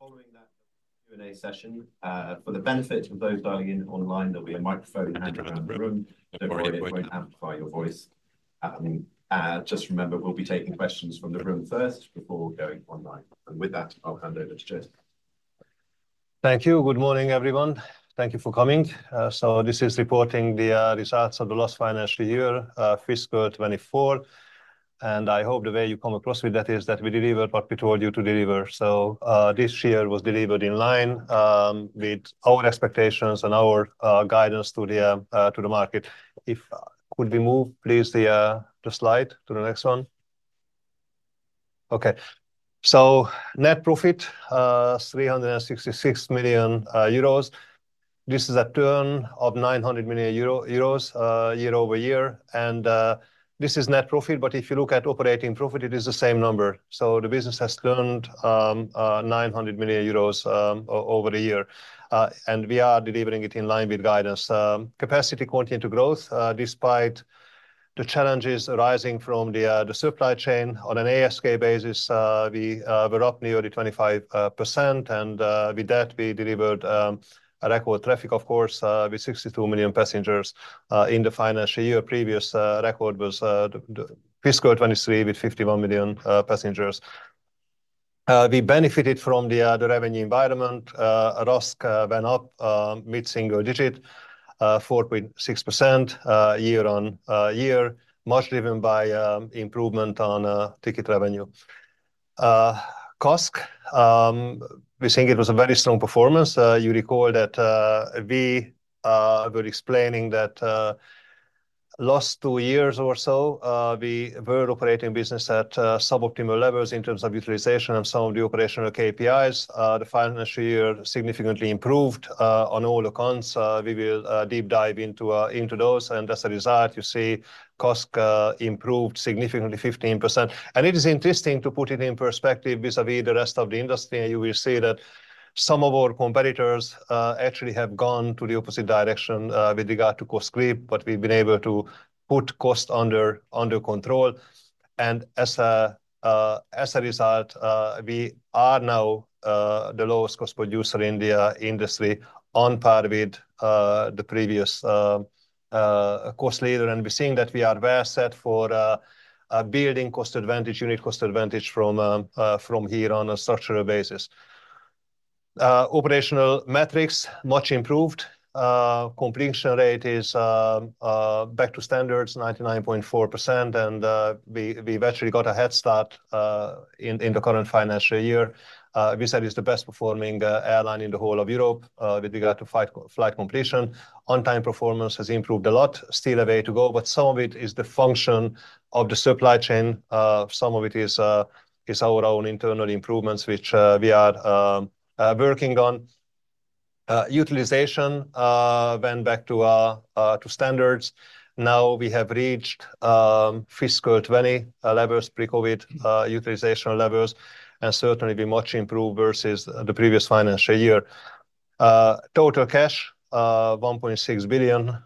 Following that Q&A session, for the benefit of those dialing in online, there'll be a microphone handed around the room. Don't worry, it won't amplify your voice. Just remember, we'll be taking questions from the room first before going online. With that, I'll hand over to József. Thank you. Good morning, everyone. Thank you for coming. So this is reporting the results of the last financial year, fiscal 2024, and I hope the way you come across with that is that we delivered what we told you to deliver. So, this year was delivered in line, with our expectations and our, guidance to the, to the market. Could we move, please, the slide to the next one? Okay, so net profit, 366 million euros. This is a turn of 900 million euro year-over-year, and, this is net profit, but if you look at operating profit, it is the same number. So the business has turned, 900 million euros over the year, and we are delivering it in line with guidance. Capacity continued to grow despite the challenges arising from the supply chain. On an ASK basis, we were up nearly 25%, and with that, we delivered a record traffic, of course, with 62 million passengers in the financial year. Previous record was the fiscal 2023, with 51 million passengers. We benefited from the revenue environment. RASK went up mid-single digit 4.6% year-on-year, much driven by improvement on ticket revenue. CASK, we think it was a very strong performance. You recall that we were explaining that last two years or so we were operating business at suboptimal levels in terms of utilization of some of the operational KPIs. The financial year significantly improved on all accounts. We will deep dive into those, and as a result, you see CASK improved significantly, 15%. And it is interesting to put it in perspective vis-à-vis the rest of the industry, and you will see that some of our competitors actually have gone to the opposite direction with regard to CASK, but we've been able to put cost under control. As a result, we are now the lowest cost producer in the industry, on par with the previous cost leader. And we're seeing that we are well set for building cost advantage, unique cost advantage from here on a structural basis. Operational metrics, much improved. Completion rate is back to standards, 99.4%, and we've actually got a head start in the current financial year. We said it's the best performing airline in the whole of Europe with regard to flight completion. On-time performance has improved a lot. Still a way to go, but some of it is the function of the supply chain, some of it is our own internal improvements, which we are working on. Utilization went back to standards. Now we have reached fiscal 2020 levels, pre-COVID utilization levels, and certainly be much improved versus the previous financial year. Total cash, 1.6 billion.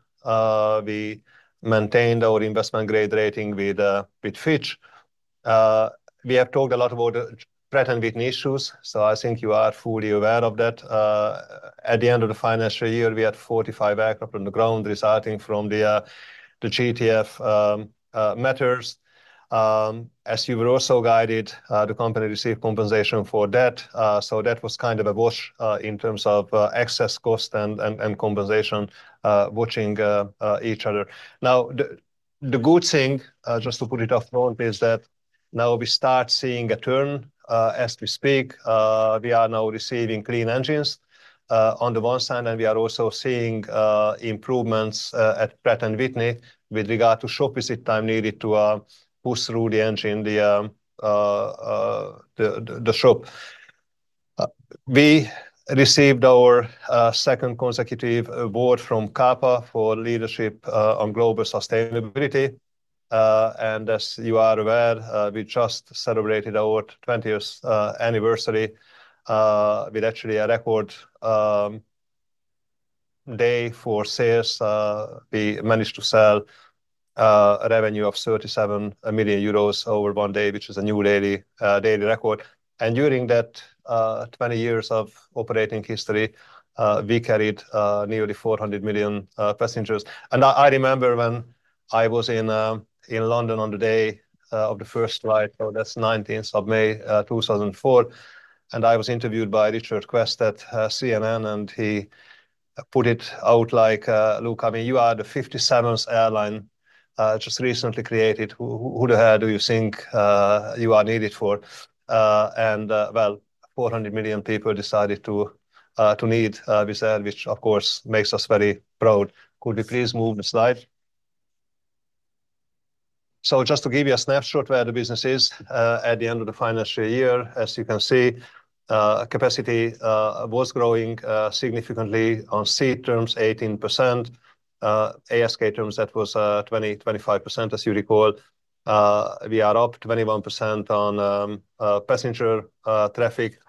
We maintained our investment grade rating with Fitch. We have talked a lot about Pratt & Whitney issues, so I think you are fully aware of that. At the end of the financial year, we had 45 aircraft on the ground, resulting from the GTF matters. As you were also guided, the company received compensation for that, so that was kind of a wash in terms of excess cost and compensation washing each other. Now, the good thing, just to put it up front, is that now we start seeing a turn as we speak. We are now receiving clean engines on the one side, and we are also seeing improvements at Pratt & Whitney with regard to shop visit time needed to push through the engine, the shop. We received our second consecutive award from CAPA for leadership on global sustainability. As you are aware, we just celebrated our 20th anniversary with actually a record day for sales. We managed to sell a revenue of 37 million euros over one day, which is a new daily record. During that 20 years of operating history, we carried nearly 400 million passengers. I remember when I was in London on the day of the first flight, so that's 19th of May 2004, and I was interviewed by Richard Quest at CNN, and he put it out like, "Look, I mean, you are the 57th airline just recently created. Who, who the hell do you think you are needed for?" And, well, 400 million people decided to need this air, which of course, makes us very proud. Could we please move the slide? So just to give you a snapshot of where the business is at the end of the financial year, as you can see, capacity was growing significantly on seat terms, 18%. ASK terms, that was 25%, as you recall. We are up 21% on passenger traffic.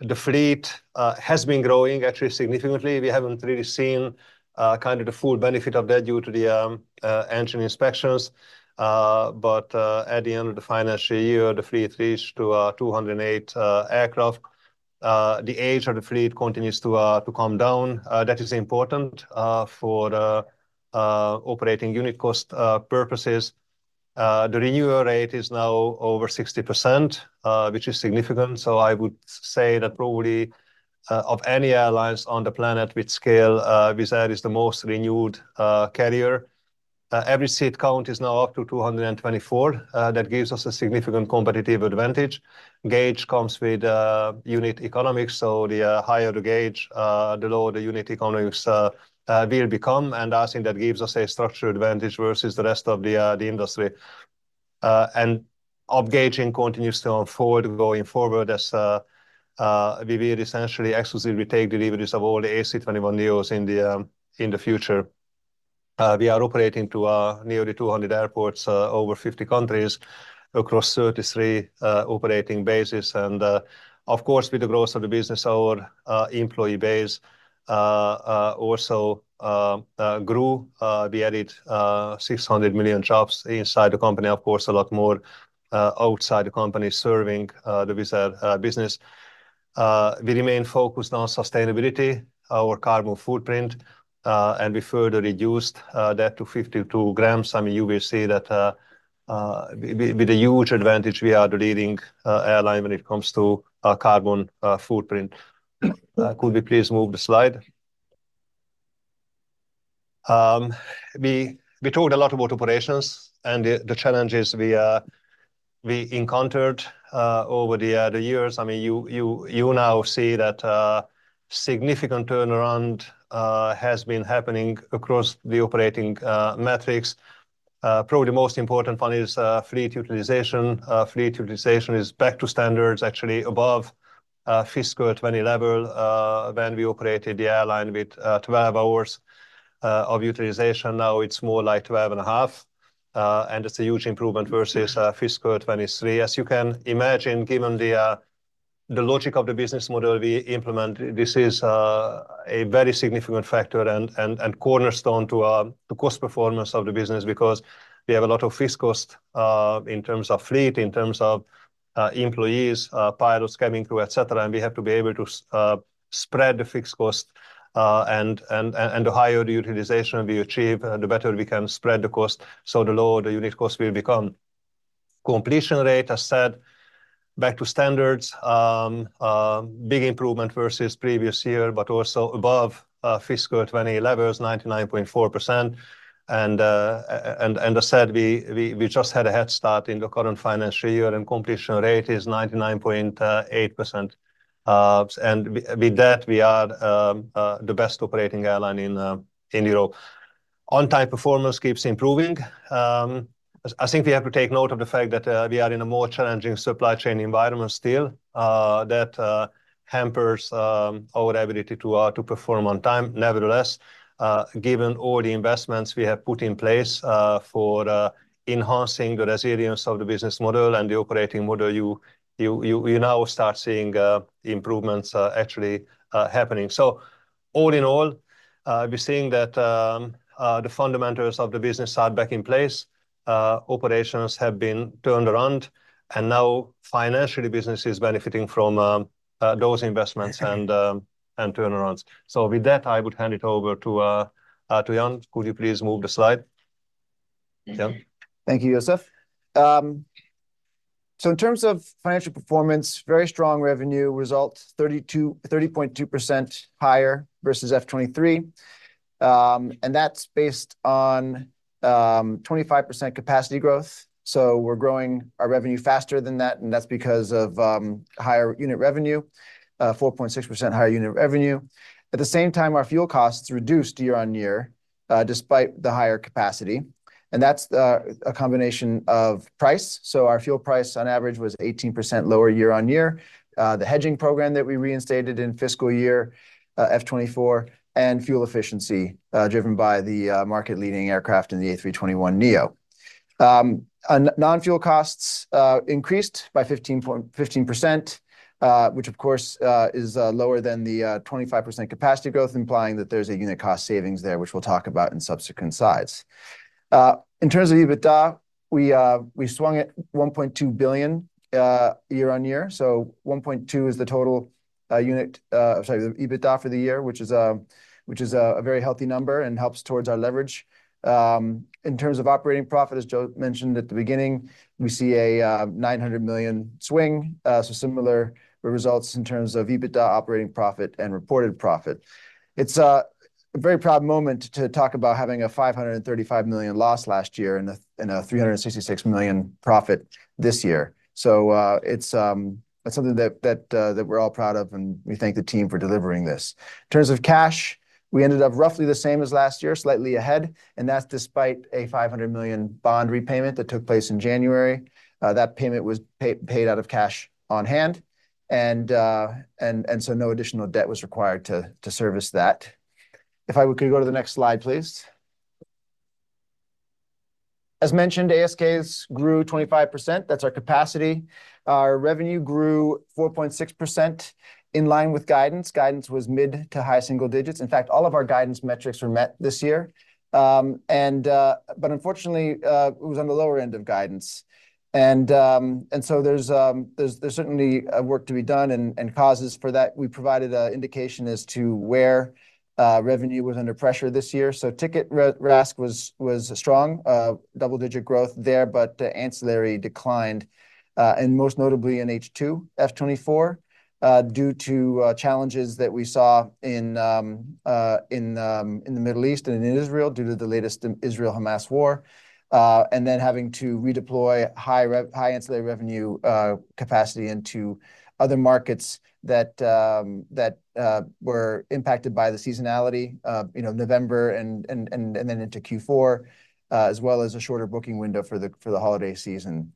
The fleet has been growing actually significantly. We haven't really seen kind of the full benefit of that due to the engine inspections. But at the end of the financial year, the fleet reached to 208 aircraft. The age of the fleet continues to come down. That is important for the operating unit cost purposes. The renewal rate is now over 60%, which is significant. So I would say that probably of any airlines on the planet with scale, Wizz Air is the most renewed carrier. Every seat count is now up to 224. That gives us a significant competitive advantage. Gauge comes with unit economics, so the higher the gauge, the lower the unit economics will become, and I think that gives us a structural advantage versus the rest of the industry. And upgauging continues to move forward going forward as we will essentially exclusively take deliveries of all the A321neos in the future. We are operating to nearly 200 airports over 50 countries across 33 operating bases. Of course, with the growth of the business, our employee base also grew. We added 600 new jobs inside the company, of course, a lot more outside the company serving the Wizz Air business. We remain focused on sustainability, our carbon footprint, and we further reduced that to 52 grams. I mean, you will see that with a huge advantage, we are the leading airline when it comes to carbon footprint. Could we please move the slide? We talked a lot about operations and the challenges we encountered over the years. I mean, you now see that significant turnaround has been happening across the operating metrics. Probably the most important one is fleet utilization. Fleet utilization is back to standards, actually above fiscal 2020 level, when we operated the airline with 12 hours of utilization. Now it's more like 12.5. And it's a huge improvement versus fiscal 2023. As you can imagine, given the logic of the business model we implement, this is a very significant factor and cornerstone to the cost performance of the business, because we have a lot of fixed cost in terms of fleet, in terms of employees, pilots coming through, et cetera, and we have to be able to spread the fixed cost. The higher the utilization we achieve, the better we can spread the cost, so the lower the unit cost will become. Completion rate, I said, back to standards. Big improvement versus previous year, but also above fiscal 2020 levels, 99.4%. I said, we just had a head start in the current financial year, and completion rate is 99.8%, and with that, we are the best operating airline in Europe. On-time performance keeps improving. I think we have to take note of the fact that we are in a more challenging supply chain environment still, that hampers our ability to perform on time. Nevertheless, given all the investments we have put in place for enhancing the resilience of the business model and the operating model, we now start seeing the improvements actually happening. So all in all, we're seeing that the fundamentals of the business are back in place. Operations have been turned around, and now financially, the business is benefiting from those investments and turnarounds. So with that, I would hand it over to Ian. Could you please move the slide? Ian? Thank you, József. So in terms of financial performance, very strong revenue results, 30.2% higher versus FY 2023. And that's based on 25% capacity growth. So we're growing our revenue faster than that, and that's because of higher unit revenue, 4.6% higher unit revenue. At the same time, our fuel costs reduced year-on-year, despite the higher capacity, and that's a combination of price. So our fuel price on average was 18% lower year-on-year. The hedging program that we reinstated in fiscal year FY 2024, and fuel efficiency, driven by the market-leading aircraft in the A321neo. And non-fuel costs increased by 15%, which of course is lower than the 25% capacity growth, implying that there's a unit cost savings there, which we'll talk about in subsequent slides. In terms of EBITDA, we, we swung at 1.2 billion year-on-year. So 1.2 is the total, sorry, the EBITDA for the year, which is, which is a, a very healthy number and helps towards our leverage. In terms of operating profit, as József mentioned at the beginning, we see a, 900 million swing, so similar results in terms of EBITDA operating profit and reported profit. It's a, a very proud moment to, to talk about having a 535 million loss last year and a, and a 366 million profit this year. So, it's, that's something that, that, that we're all proud of, and we thank the team for delivering this. In terms of cash, we ended up roughly the same as last year, slightly ahead, and that's despite a 500 million bond repayment that took place in January. That payment was paid out of cash on hand, and so no additional debt was required to service that. If I could go to the next slide, please. As mentioned, ASKs grew 25%, that's our capacity. Our revenue grew 4.6%, in line with guidance. Guidance was mid to high single digits. In fact, all of our guidance metrics were met this year. But unfortunately, it was on the lower end of guidance. And so there's certainly work to be done and causes for that. We provided an indication as to where revenue was under pressure this year. So ticket RASK was strong, double-digit growth there, but the ancillary declined. And most notably in H2, F 2024, due to challenges that we saw in the Middle East and in Israel, due to the latest Israel-Hamas war. And then having to redeploy high ancillary revenue capacity into other markets that were impacted by the seasonality, you know, November and then into Q4, as well as a shorter booking window for the holiday season.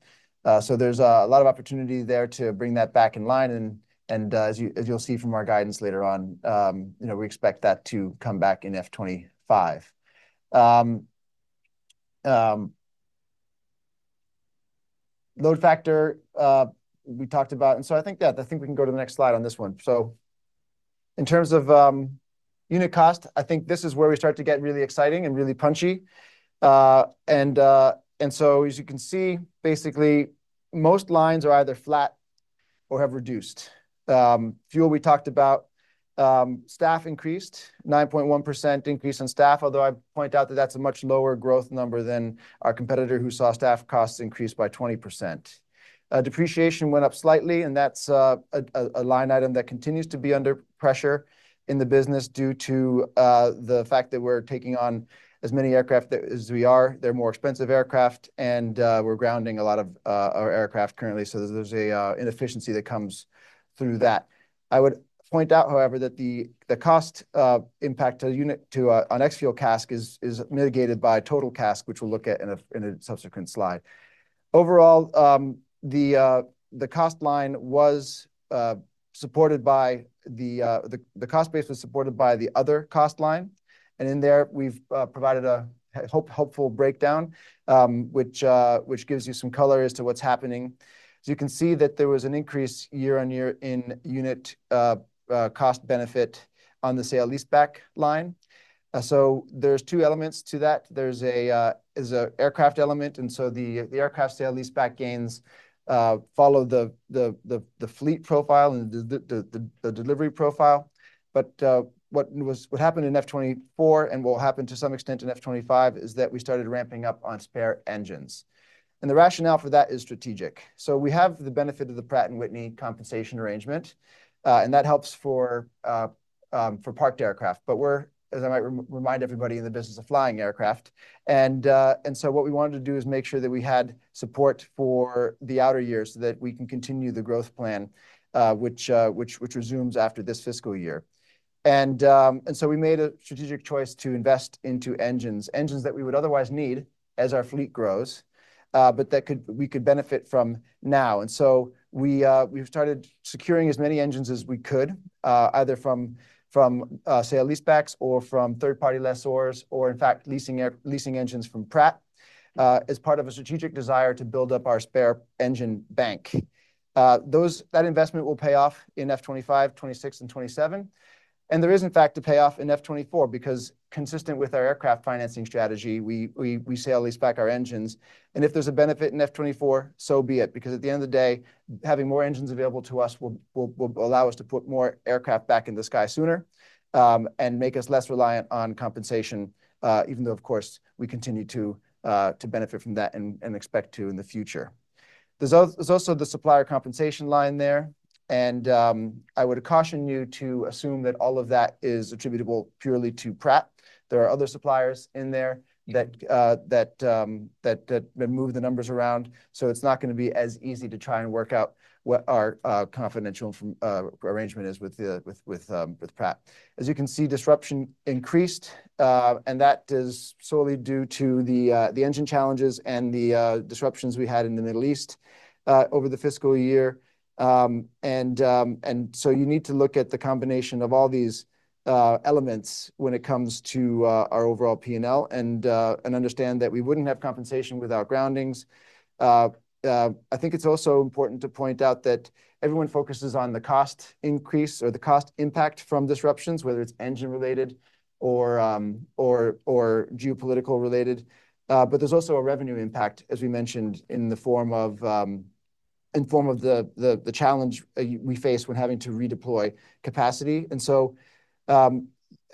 So there's a lot of opportunity there to bring that back in line, and as you'll see from our guidance later on, you know, we expect that to come back in F 2025. Load factor, we talked about, and so I think, yeah, I think we can go to the next slide on this one. So in terms of, unit cost, I think this is where we start to get really exciting and really punchy. And, and so as you can see, basically, most lines are either flat or have reduced. Fuel, we talked about. Staff increased, 9.1% increase in staff, although I point out that that's a much lower growth number than our competitor, who saw staff costs increase by 20%. Depreciation went up slightly, and that's, a, a, line item that continues to be under pressure in the business due to, the fact that we're taking on as many aircraft as we are. They're more expensive aircraft, and we're grounding a lot of our aircraft currently, so there's an inefficiency that comes through that. I would point out, however, that the cost impact to unit on ex-fuel CASK is mitigated by total CASK, which we'll look at in a subsequent slide. Overall, the cost base was supported by the other cost line, and in there, we've provided a hopeful breakdown, which gives you some color as to what's happening. So you can see that there was an increase year-on-year in unit cost benefit on the sale-leaseback line. So there's two elements to that. There's an aircraft element, and so the aircraft sale-leaseback gains follow the fleet profile and the delivery profile. But what happened in FY 2024 and will happen to some extent in FY 2025 is that we started ramping up on spare engines, and the rationale for that is strategic. So we have the benefit of the Pratt & Whitney compensation arrangement, and that helps for parked aircraft. But we're, as I might remind everybody, in the business of flying aircraft, and so what we wanted to do is make sure that we had support for the out years, so that we can continue the growth plan, which resumes after this fiscal year. And so we made a strategic choice to invest into engines, engines that we would otherwise need as our fleet grows, but that we could benefit from now. And so we've started securing as many engines as we could, either from sale-leasebacks or from third-party lessors, or in fact, leasing engines from Pratt, as part of a strategic desire to build up our spare engine bank. That investment will pay off in F25, 26 and 27, and there is, in fact, a payoff in F24, because consistent with our aircraft financing strategy, we sale-leaseback our engines. And if there's a benefit in FY 2024, so be it, because at the end of the day, having more engines available to us will allow us to put more aircraft back in the sky sooner, and make us less reliant on compensation, even though, of course, we continue to benefit from that and expect to in the future. There's also the supplier compensation line there, and I would caution you to assume that all of that is attributable purely to Pratt. There are other suppliers in there that move the numbers around. So it's not gonna be as easy to try and work out what our confidential arrangement is with Pratt. As you can see, disruption increased, and that is solely due to the engine challenges and the disruptions we had in the Middle East over the fiscal year. And so you need to look at the combination of all these elements when it comes to our overall P&L, and understand that we wouldn't have compensation without groundings. I think it's also important to point out that everyone focuses on the cost increase or the cost impact from disruptions, whether it's engine-related or geopolitical-related. But there's also a revenue impact, as we mentioned, in the form of the challenge we face when having to redeploy capacity. And so,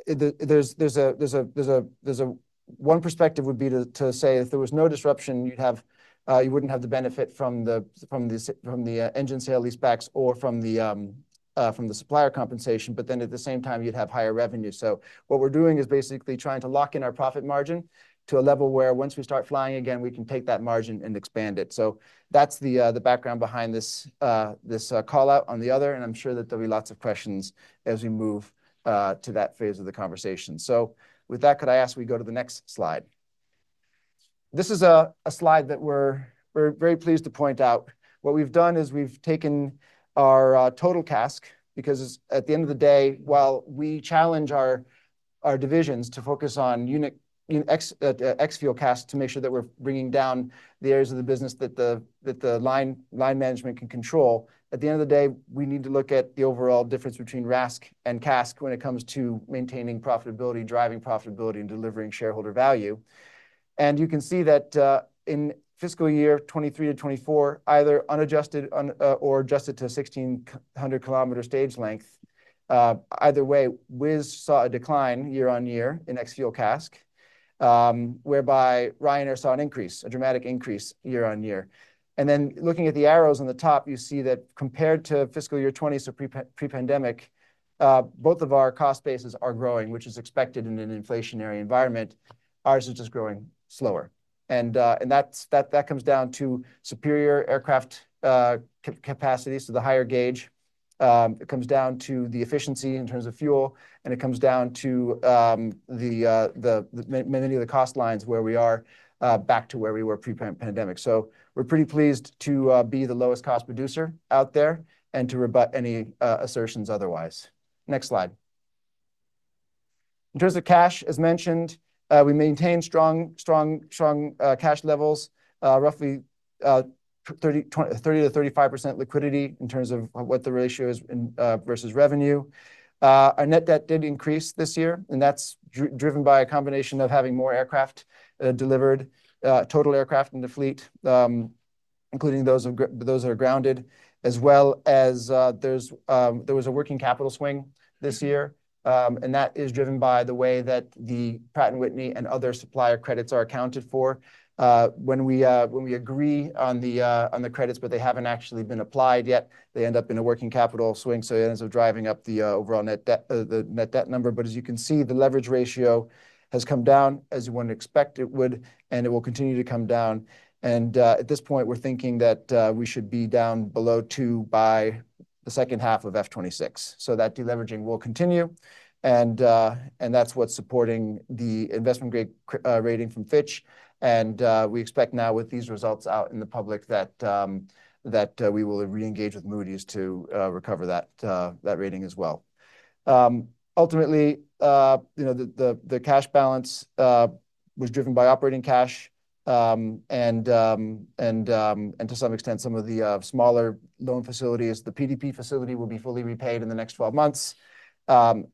there's a... There's one perspective would be to say if there was no disruption, you'd have you wouldn't have the benefit from the engine sale-leasebacks or from the supplier compensation, but then at the same time, you'd have higher revenue. So what we're doing is basically trying to lock in our profit margin to a level where once we start flying again, we can take that margin and expand it. So that's the background behind this call-out on the other, and I'm sure that there'll be lots of questions as we move to that phase of the conversation. So with that, could I ask we go to the next slide? This is a slide that we're very pleased to point out. What we've done is we've taken our total CASK, because at the end of the day, while we challenge our divisions to focus on unit ex-fuel CASK to make sure that we're bringing down the areas of the business that the line management can control. At the end of the day, we need to look at the overall difference between RASK and CASK when it comes to maintaining profitability, driving profitability, and delivering shareholder value. You can see that in fiscal year 2023 to 2024, either unadjusted or adjusted to a 1,600-kilometer stage length, either way, Wizz saw a decline year-on-year in ex-fuel CASK, whereby Ryanair saw an increase, a dramatic increase year-on-year. And then looking at the arrows on the top, you see that compared to fiscal year 2020, so pre-pandemic, both of our cost bases are growing, which is expected in an inflationary environment. Ours is just growing slower. And that's what comes down to superior aircraft capacities, so the higher gauge. It comes down to the efficiency in terms of fuel, and it comes down to many of the cost lines where we are back to where we were pre-pandemic. So we're pretty pleased to be the lowest cost producer out there and to rebut any assertions otherwise. Next slide. In terms of cash, as mentioned, we maintain strong, strong, strong cash levels, roughly 30%-35% liquidity in terms of what the ratio is in versus revenue. Our net debt did increase this year, and that's driven by a combination of having more aircraft delivered, total aircraft in the fleet, including those that are grounded, as well as there was a working capital swing this year. And that is driven by the way that the Pratt & Whitney and other supplier credits are accounted for. When we agree on the credits, but they haven't actually been applied yet, they end up in a working capital swing, so it ends up driving up the overall net debt, the net debt number. But as you can see, the leverage ratio has come down, as one would expect it would, and it will continue to come down. And at this point, we're thinking that we should be down below 2 by the second half of FY 2026. So that deleveraging will continue, and that's what's supporting the investment-grade credit rating from Fitch. And we expect now with these results out in the public, that we will re-engage with Moody's to recover that rating as well. Ultimately, you know, the cash balance was driven by operating cash, and to some extent, some of the smaller loan facilities. The PDP facility will be fully repaid in the next 12 months,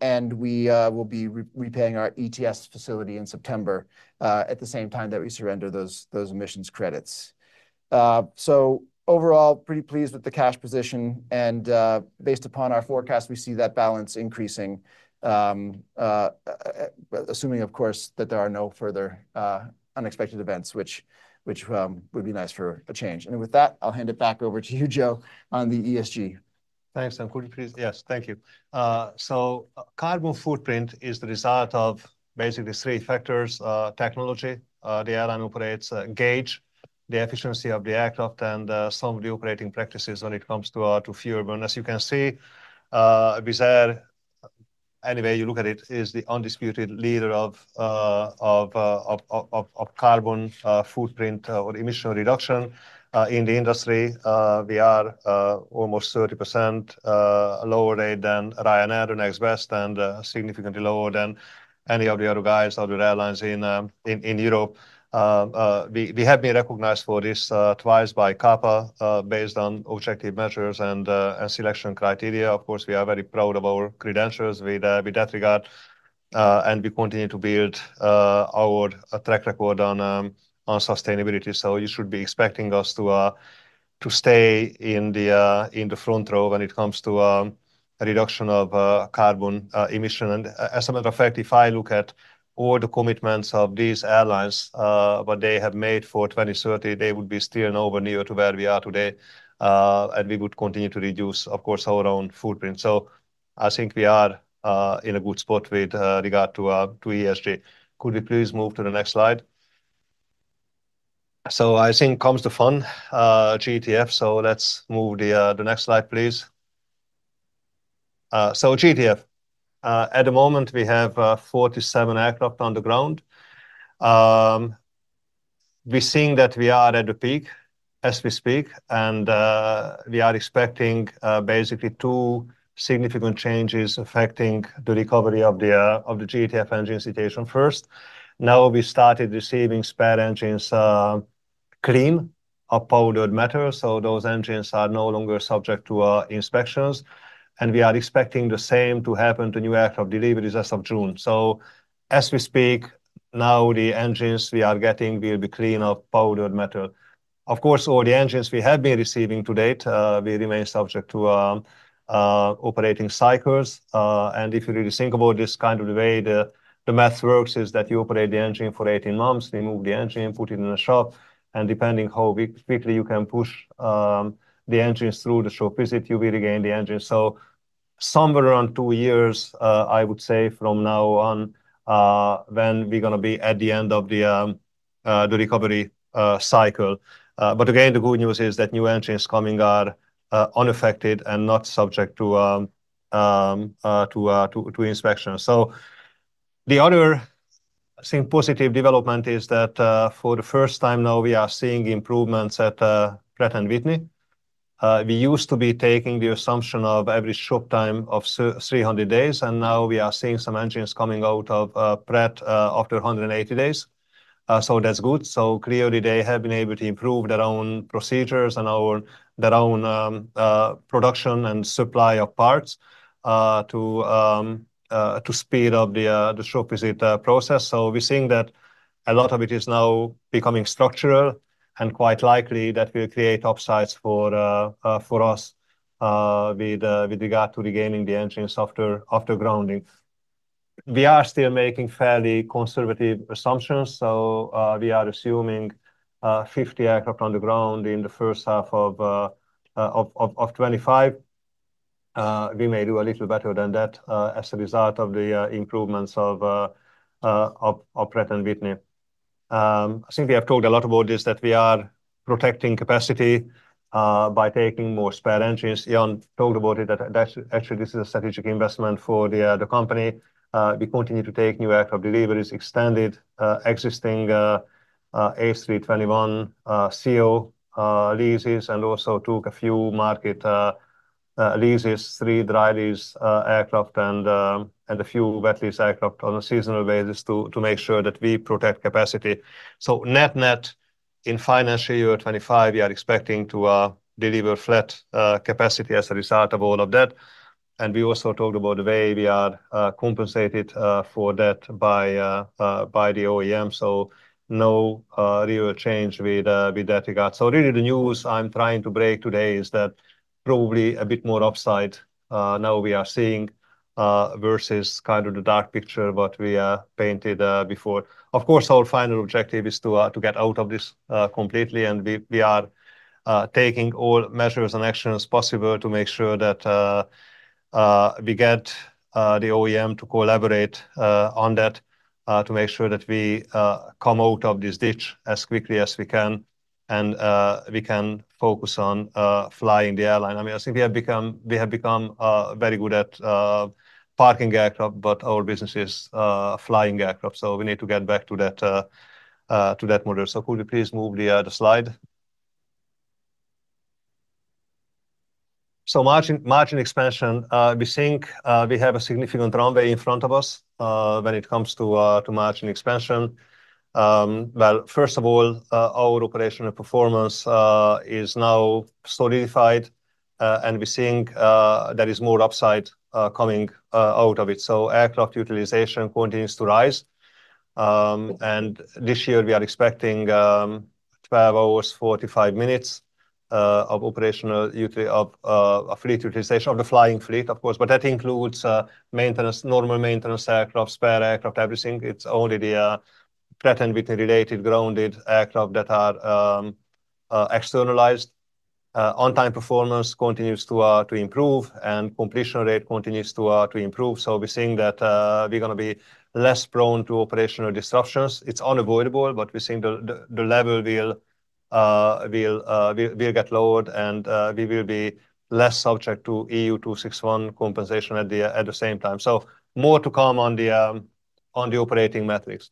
and we will be repaying our ETS facility in September, at the same time that we surrender those emissions credits. So overall, pretty pleased with the cash position, and based upon our forecast, we see that balance increasing, assuming, of course, that there are no further unexpected events, which would be nice for a change. With that, I'll hand it back over to you, Joe, on the ESG. Thanks. And could you please— Yes, thank you. So carbon footprint is the result of basically three factors: technology, the airline operates, age, the efficiency of the aircraft, and some of the operating practices when it comes to to fuel burn. As you can see, Wizz Air, any way you look at it, is the undisputed leader of carbon footprint or emission reduction in the industry. We are almost 30% lower rate than Ryanair, the next best, and significantly lower than any of the other guys or other airlines in Europe. We have been recognized for this twice by CAPA based on objective measures and selection criteria. Of course, we are very proud of our credentials with that regard, and we continue to build our track record on sustainability. So you should be expecting us to stay in the front row when it comes to a reduction of carbon emission. And as a matter of fact, if I look at all the commitments of these airlines, what they have made for 2030, they would be still nowhere near to where we are today, and we would continue to reduce, of course, our own footprint. So I think we are in a good spot with regard to ESG. Could we please move to the next slide? So I think comes the fun GTF, so let's move the next slide, please. So GTF, at the moment, we have 47 aircraft on the ground. We're seeing that we are at the peak as we speak, and we are expecting basically two significant changes affecting the recovery of the GTF engine situation first. Now, we started receiving spare engines clean of powdered metal, so those engines are no longer subject to inspections, and we are expecting the same to happen to new aircraft deliveries as of June. So as we speak, now, the engines we are getting will be clean of powdered metal. Of course, all the engines we have been receiving to date will remain subject to operating cycles. And if you really think about this, kind of the way the math works is that you operate the engine for 18 months, remove the engine, put it in a shop, and depending how quickly you can push the engines through the shop visit, you will regain the engine. So somewhere around 2 years, I would say, from now on, when we're gonna be at the end of the recovery cycle. But again, the good news is that new engines coming are unaffected and not subject to inspection. So the other, I think, positive development is that for the first time now, we are seeing improvements at Pratt & Whitney. We used to be taking the assumption of every shop time of 300 days, and now we are seeing some engines coming out of Pratt after 180 days. So that's good. So clearly, they have been able to improve their own procedures and our, their own production and supply of parts to speed up the shop visit process. So we're seeing that a lot of it is now becoming structural, and quite likely that will create upsides for us with regard to regaining the engines after grounding. We are still making fairly conservative assumptions, so we are assuming 50 aircraft on the ground in the first half of 2025. We may do a little better than that, as a result of the improvements of Pratt & Whitney. I think we have talked a lot about this, that we are protecting capacity by taking more spare engines. Ian talked about it, that actually, this is a strategic investment for the company. We continue to take new aircraft deliveries, extended existing A321ceo leases, and also took a few market leases, three dry lease aircraft, and a few wet lease aircraft on a seasonal basis to make sure that we protect capacity. So net, in financial year 2025, we are expecting to deliver flat capacity as a result of all of that. We also talked about the way we are compensated for that by the OEM, so no real change with that regard. So really, the news I'm trying to break today is that probably a bit more upside. Now we are seeing versus kind of the dark picture what we painted before. Of course, our final objective is to get out of this completely, and we are taking all measures and actions possible to make sure that we get the OEM to collaborate on that to make sure that we come out of this ditch as quickly as we can, and we can focus on flying the airline. I mean, I think we have become very good at parking aircraft, but our business is flying aircraft, so we need to get back to that model. So could you please move the slide? So margin expansion. We think we have a significant runway in front of us when it comes to margin expansion. Well, first of all, our operational performance is now solidified, and we're seeing there is more upside coming out of it. So aircraft utilization continues to rise. And this year, we are expecting 12 hours, 45 minutes of operational utility of fleet utilization of the flying fleet, of course, but that includes maintenance, normal maintenance, aircraft, spare aircraft, everything. It's only the Pratt & Whitney related grounded aircraft that are externalized. On-time performance continues to improve, and completion rate continues to improve. So we're seeing that we're gonna be less prone to operational disruptions. It's unavoidable, but we're seeing the level will get lower, and we will be less subject to EU 261 compensation at the same time. So more to come on the operating metrics.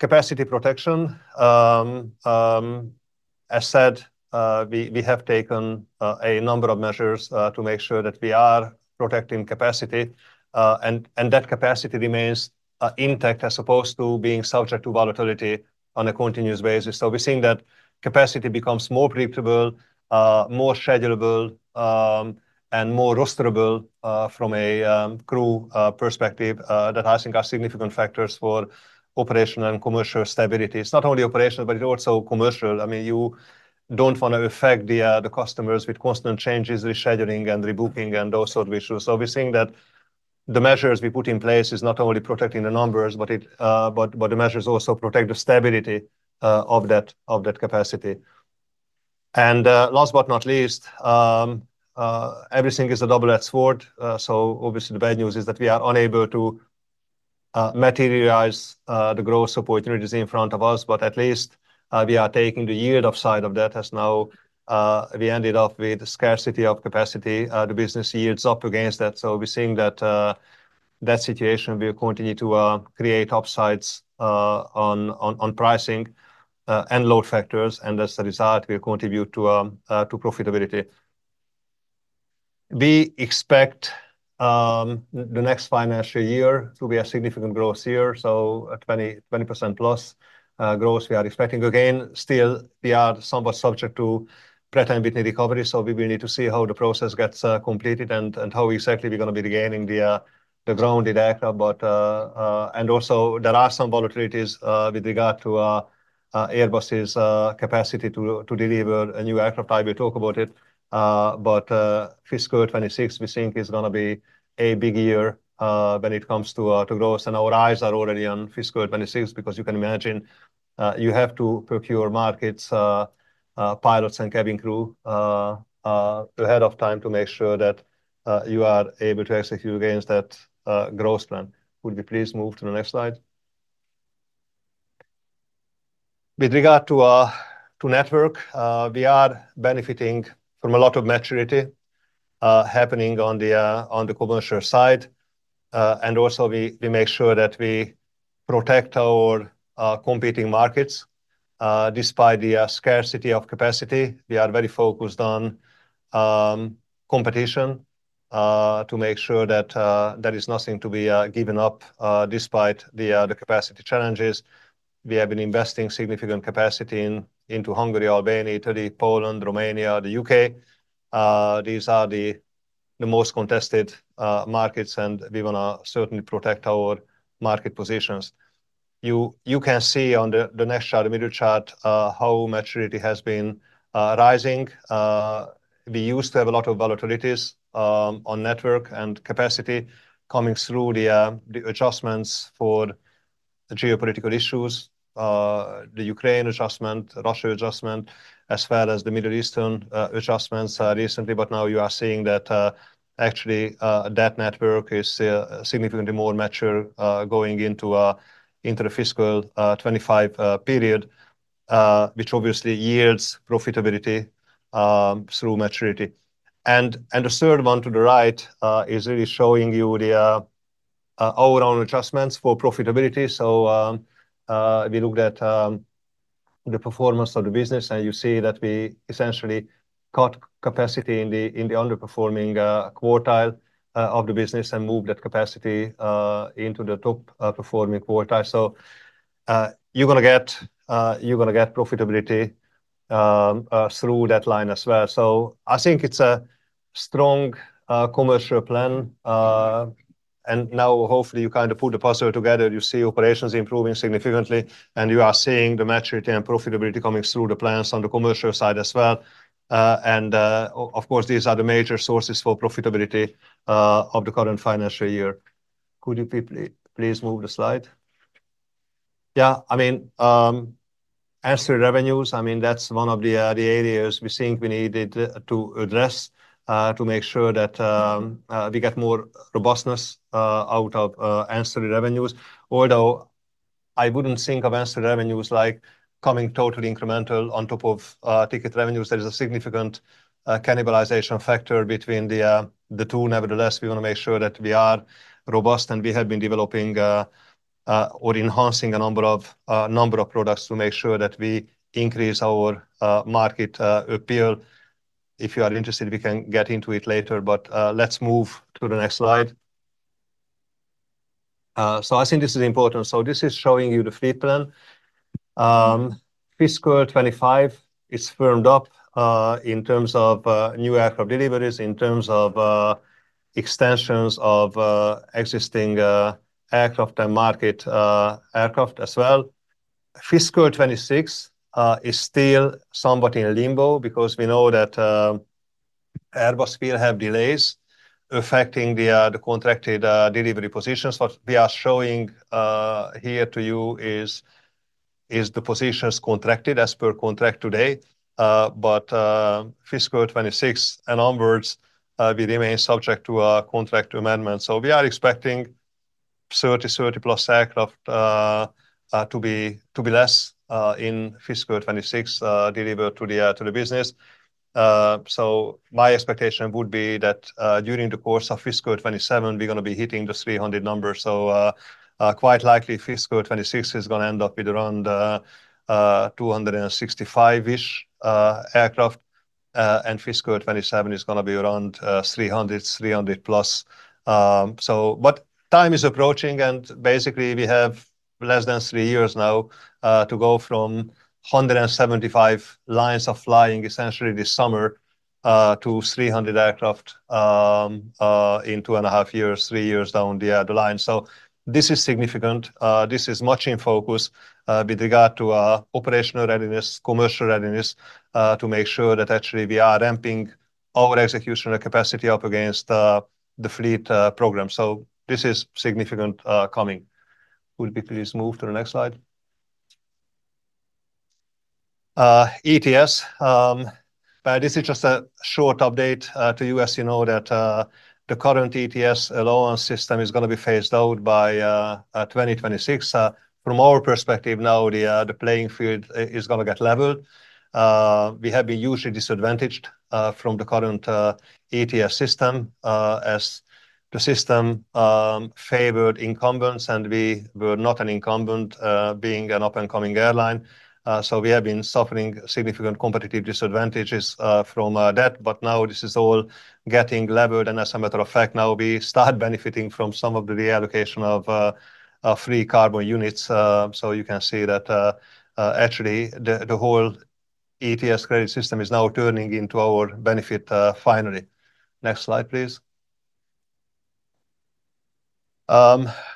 Capacity protection. As said, we have taken a number of measures to make sure that we are protecting capacity, and that capacity remains intact, as opposed to being subject to volatility on a continuous basis. So we're seeing that capacity becomes more predictable, more schedulable, and more rosterable from a crew perspective that I think are significant factors for operational and commercial stability. It's not only operational, but it's also commercial. I mean, you don't want to affect the customers with constant changes, rescheduling, and rebooking and those sort of issues. So we're seeing that the measures we put in place is not only protecting the numbers, but the measures also protect the stability of that capacity. And last but not least, everything is a double-edged sword. So obviously, the bad news is that we are unable to materialize the growth opportunities in front of us, but at least we are taking the yield upside of that, as now we ended up with scarcity of capacity, the business yields up against that. So we're seeing that that situation will continue to create upsides on pricing and load factors, and as a result, will contribute to profitability. We expect the next financial year to be a significant growth year, so a 20-25% plus growth we are expecting again. Still, we are somewhat subject to Pratt & Whitney recovery, so we will need to see how the process gets completed and how exactly we're gonna be regaining the grounded aircraft. But, and also there are some volatilities with regard to Airbus's capacity to deliver a new aircraft type. We'll talk about it, but fiscal 2026, we think is gonna be a big year when it comes to growth, and our eyes are already on fiscal 2026, because you can imagine, you have to procure markets, pilots and cabin crew ahead of time to make sure that you are able to execute against that growth plan. Would you please move to the next slide? With regard to network, we are benefiting from a lot of maturity happening on the commercial side. And also we make sure that we protect our competitive markets despite the scarcity of capacity. We are very focused on competition to make sure that there is nothing to be given up despite the capacity challenges. We have been investing significant capacity into Hungary, Albania, Italy, Poland, Romania, the UK. These are the most contested markets, and we want to certainly protect our market positions. You can see on the next chart, the middle chart, how maturity has been rising. We used to have a lot of volatilities on network and capacity coming through the adjustments for the geopolitical issues, the Ukraine adjustment, Russia adjustment, as well as the Middle Eastern adjustments recently. But now you are seeing that, actually, that network is significantly more mature, going into the fiscal 25 period, which obviously yields profitability through maturity. And the third one to the right is really showing you the overall adjustments for profitability. So, we looked at the performance of the business, and you see that we essentially cut capacity in the underperforming quartile of the business and moved that capacity into the top performing quartile. So, you're gonna get profitability through that line as well. So I think it's a strong commercial plan. And now, hopefully, you kind of put the puzzle together, you see operations improving significantly, and you are seeing the maturity and profitability coming through the plans on the commercial side as well. Of course, these are the major sources for profitability of the current financial year. Could you please, please move the slide? Yeah, I mean, ancillary revenues, I mean, that's one of the areas we think we needed to address, to make sure that we get more robustness out of ancillary revenues. Although I wouldn't think of ancillary revenues like coming totally incremental on top of ticket revenues. There is a significant cannibalization factor between the two. Nevertheless, we want to make sure that we are robust, and we have been developing or enhancing a number of products to make sure that we increase our market appeal. If you are interested, we can get into it later, but let's move to the next slide. So I think this is important. So this is showing you the fleet plan. Fiscal 25 is firmed up in terms of new aircraft deliveries, in terms of extensions of existing aircraft and market aircraft as well. Fiscal 26 is still somewhat in limbo because we know that Airbus will have delays affecting the contracted delivery positions. What we are showing here to you is the positions contracted as per contract today. But fiscal 2026 and onwards, we remain subject to a contract amendment. So we are expecting 30, 30+ aircraft to be less in fiscal 2026 delivered to the to the business. So my expectation would be that during the course of fiscal 2027, we're gonna be hitting the 300 number. So quite likely, fiscal 2026 is gonna end up with around 265-ish aircraft. And fiscal 2027 is gonna be around 300, 300+. So but time is approaching, and basically, we have less than 3 years now to go from 175 lines of flying, essentially this summer, to 300 aircraft in two and a half years, 3 years down the the line. So this is significant. This is much in focus with regard to operational readiness, commercial readiness to make sure that actually we are ramping our execution and capacity up against the fleet program. So this is significant coming. Could we please move to the next slide? ETS, this is just a short update to you, as you know, that the current ETS allowance system is gonna be phased out by 2026. From our perspective, now the playing field is gonna get leveled. We have been usually disadvantaged from the current ETS system as the system favored incumbents, and we were not an incumbent, being an up-and-coming airline. So we have been suffering significant competitive disadvantages from that. But now this is all getting leveled, and as a matter of fact, now we start benefiting from some of the reallocation of free carbon units. So you can see that, actually, the whole ETS credit system is now turning into our benefit, finally. Next slide, please.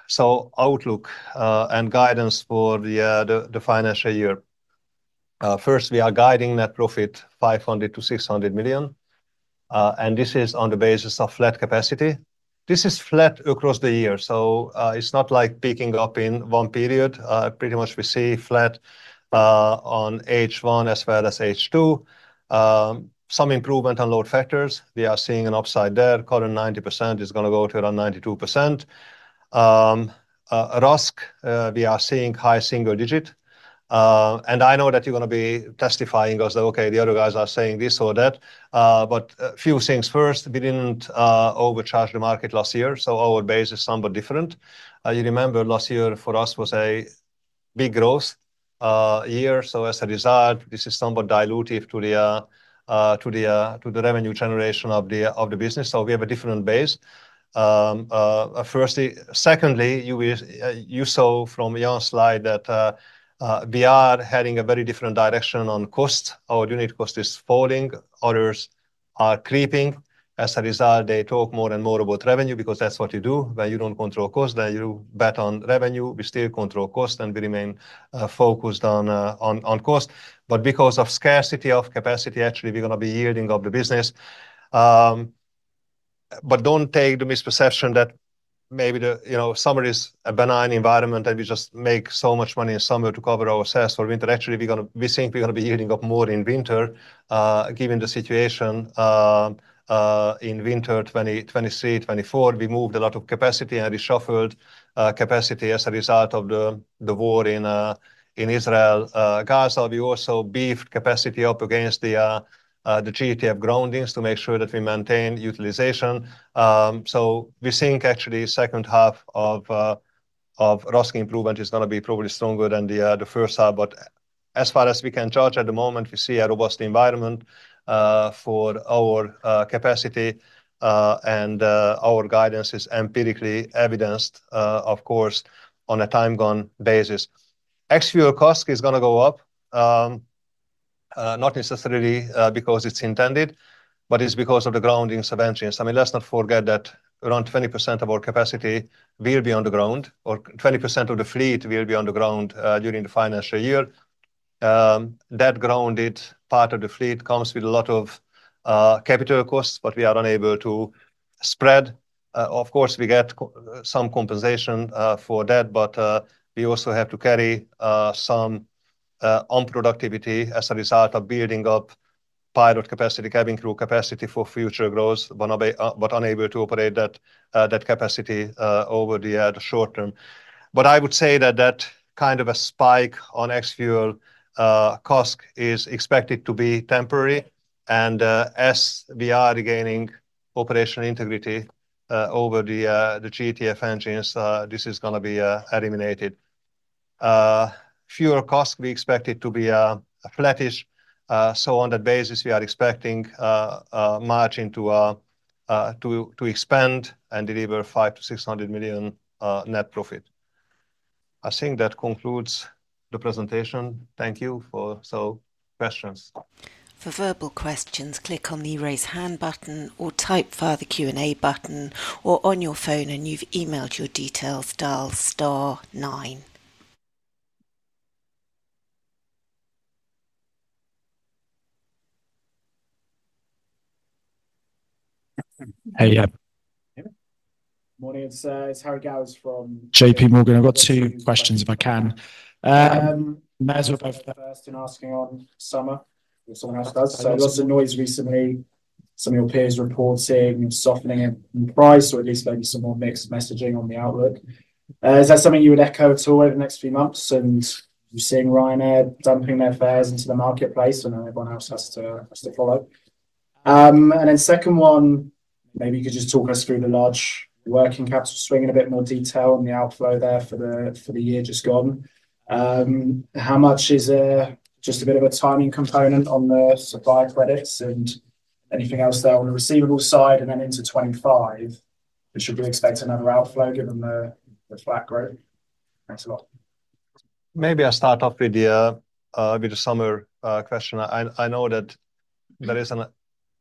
So outlook and guidance for the financial year. First, we are guiding net profit, 500 million-600 million, and this is on the basis of flat capacity. This is flat across the year, so it's not like peaking up in one period. Pretty much we see flat on H1 as well as H2. Some improvement on load factors. We are seeing an upside there. Current 90% is going to go to around 92%. RASK, we are seeing high single digit. I know that you're going to be testifying us that, okay, the other guys are saying this or that. But a few things first, we didn't overcharge the market last year, so our base is somewhat different. You remember last year for us was a big growth year. So as a result, this is somewhat dilutive to the revenue generation of the business. So we have a different base. Firstly. Secondly, you saw from your slide that we are heading a very different direction on cost. Our unit cost is falling, others are creeping. As a result, they talk more and more about revenue, because that's what you do. When you don't control cost, then you bet on revenue. We still control cost, and we remain focused on cost, but because of scarcity of capacity, actually, we're going to be yielding up the business. But don't take the misperception that maybe the, you know, summer is a benign environment, and we just make so much money in summer to cover ourselves for winter. Actually, we're gonna. We think we're gonna be yielding up more in winter. Given the situation, in winter 2023-2024, we moved a lot of capacity and we shuffled capacity as a result of the war in Israel. Gaza, we also beefed capacity up against the GTF groundings to make sure that we maintain utilization. So we think actually second half of RASK improvement is going to be probably stronger than the first half. But as far as we can judge at the moment, we see a robust environment for our capacity, and our guidance is empirically evidenced, of course, on a year-on-year basis. Ex-fuel cost is going to go up, not necessarily because it's intended, but it's because of the groundings of engines. I mean, let's not forget that around 20% of our capacity will be on the ground, or 20% of the fleet will be on the ground, during the financial year. That grounded part of the fleet comes with a lot of capital costs, but we are unable to spread. Of course, we get some compensation for that, but we also have to carry some unproductivity as a result of building up pilot capacity, cabin crew capacity for future growth, but unable to operate that capacity over the short term. But I would say that that kind of a spike on ex-fuel cost is expected to be temporary, and as we are regaining operational integrity over the GTF engines, this is going to be eliminated. Fuel cost, we expect it to be flattish. So on that basis, we are expecting margin to expand and deliver 500 million-600 million net profit. I think that concludes the presentation. Thank you. So, questions. For verbal questions, click on the Raise Hand button or type via the Q&A button or on your phone, and if you've emailed your details, dial star nine. Hey, yeah. Morning, it's, it's Harry Gowers from J.P. Morgan. I've got two questions, if I can. May as well go first in asking on summer, if someone else does. So lots of noise recently, some of your peers report seeing softening in price, or at least maybe some more mixed messaging on the outlook. Is that something you would echo at all over the next few months? And you're seeing Ryanair dumping their fares into the marketplace, and everyone else has to, has to follow. And then second one, maybe you could just talk us through the large working capital swing in a bit more detail on the outflow there for the, for the year just gone. How much is, just a bit of a timing component on the supply credits and anything else there on the receivables side? Then into 2025, should we expect another outflow given the flat growth? Thanks a lot. Maybe I'll start off with the summer question. I know that there is an--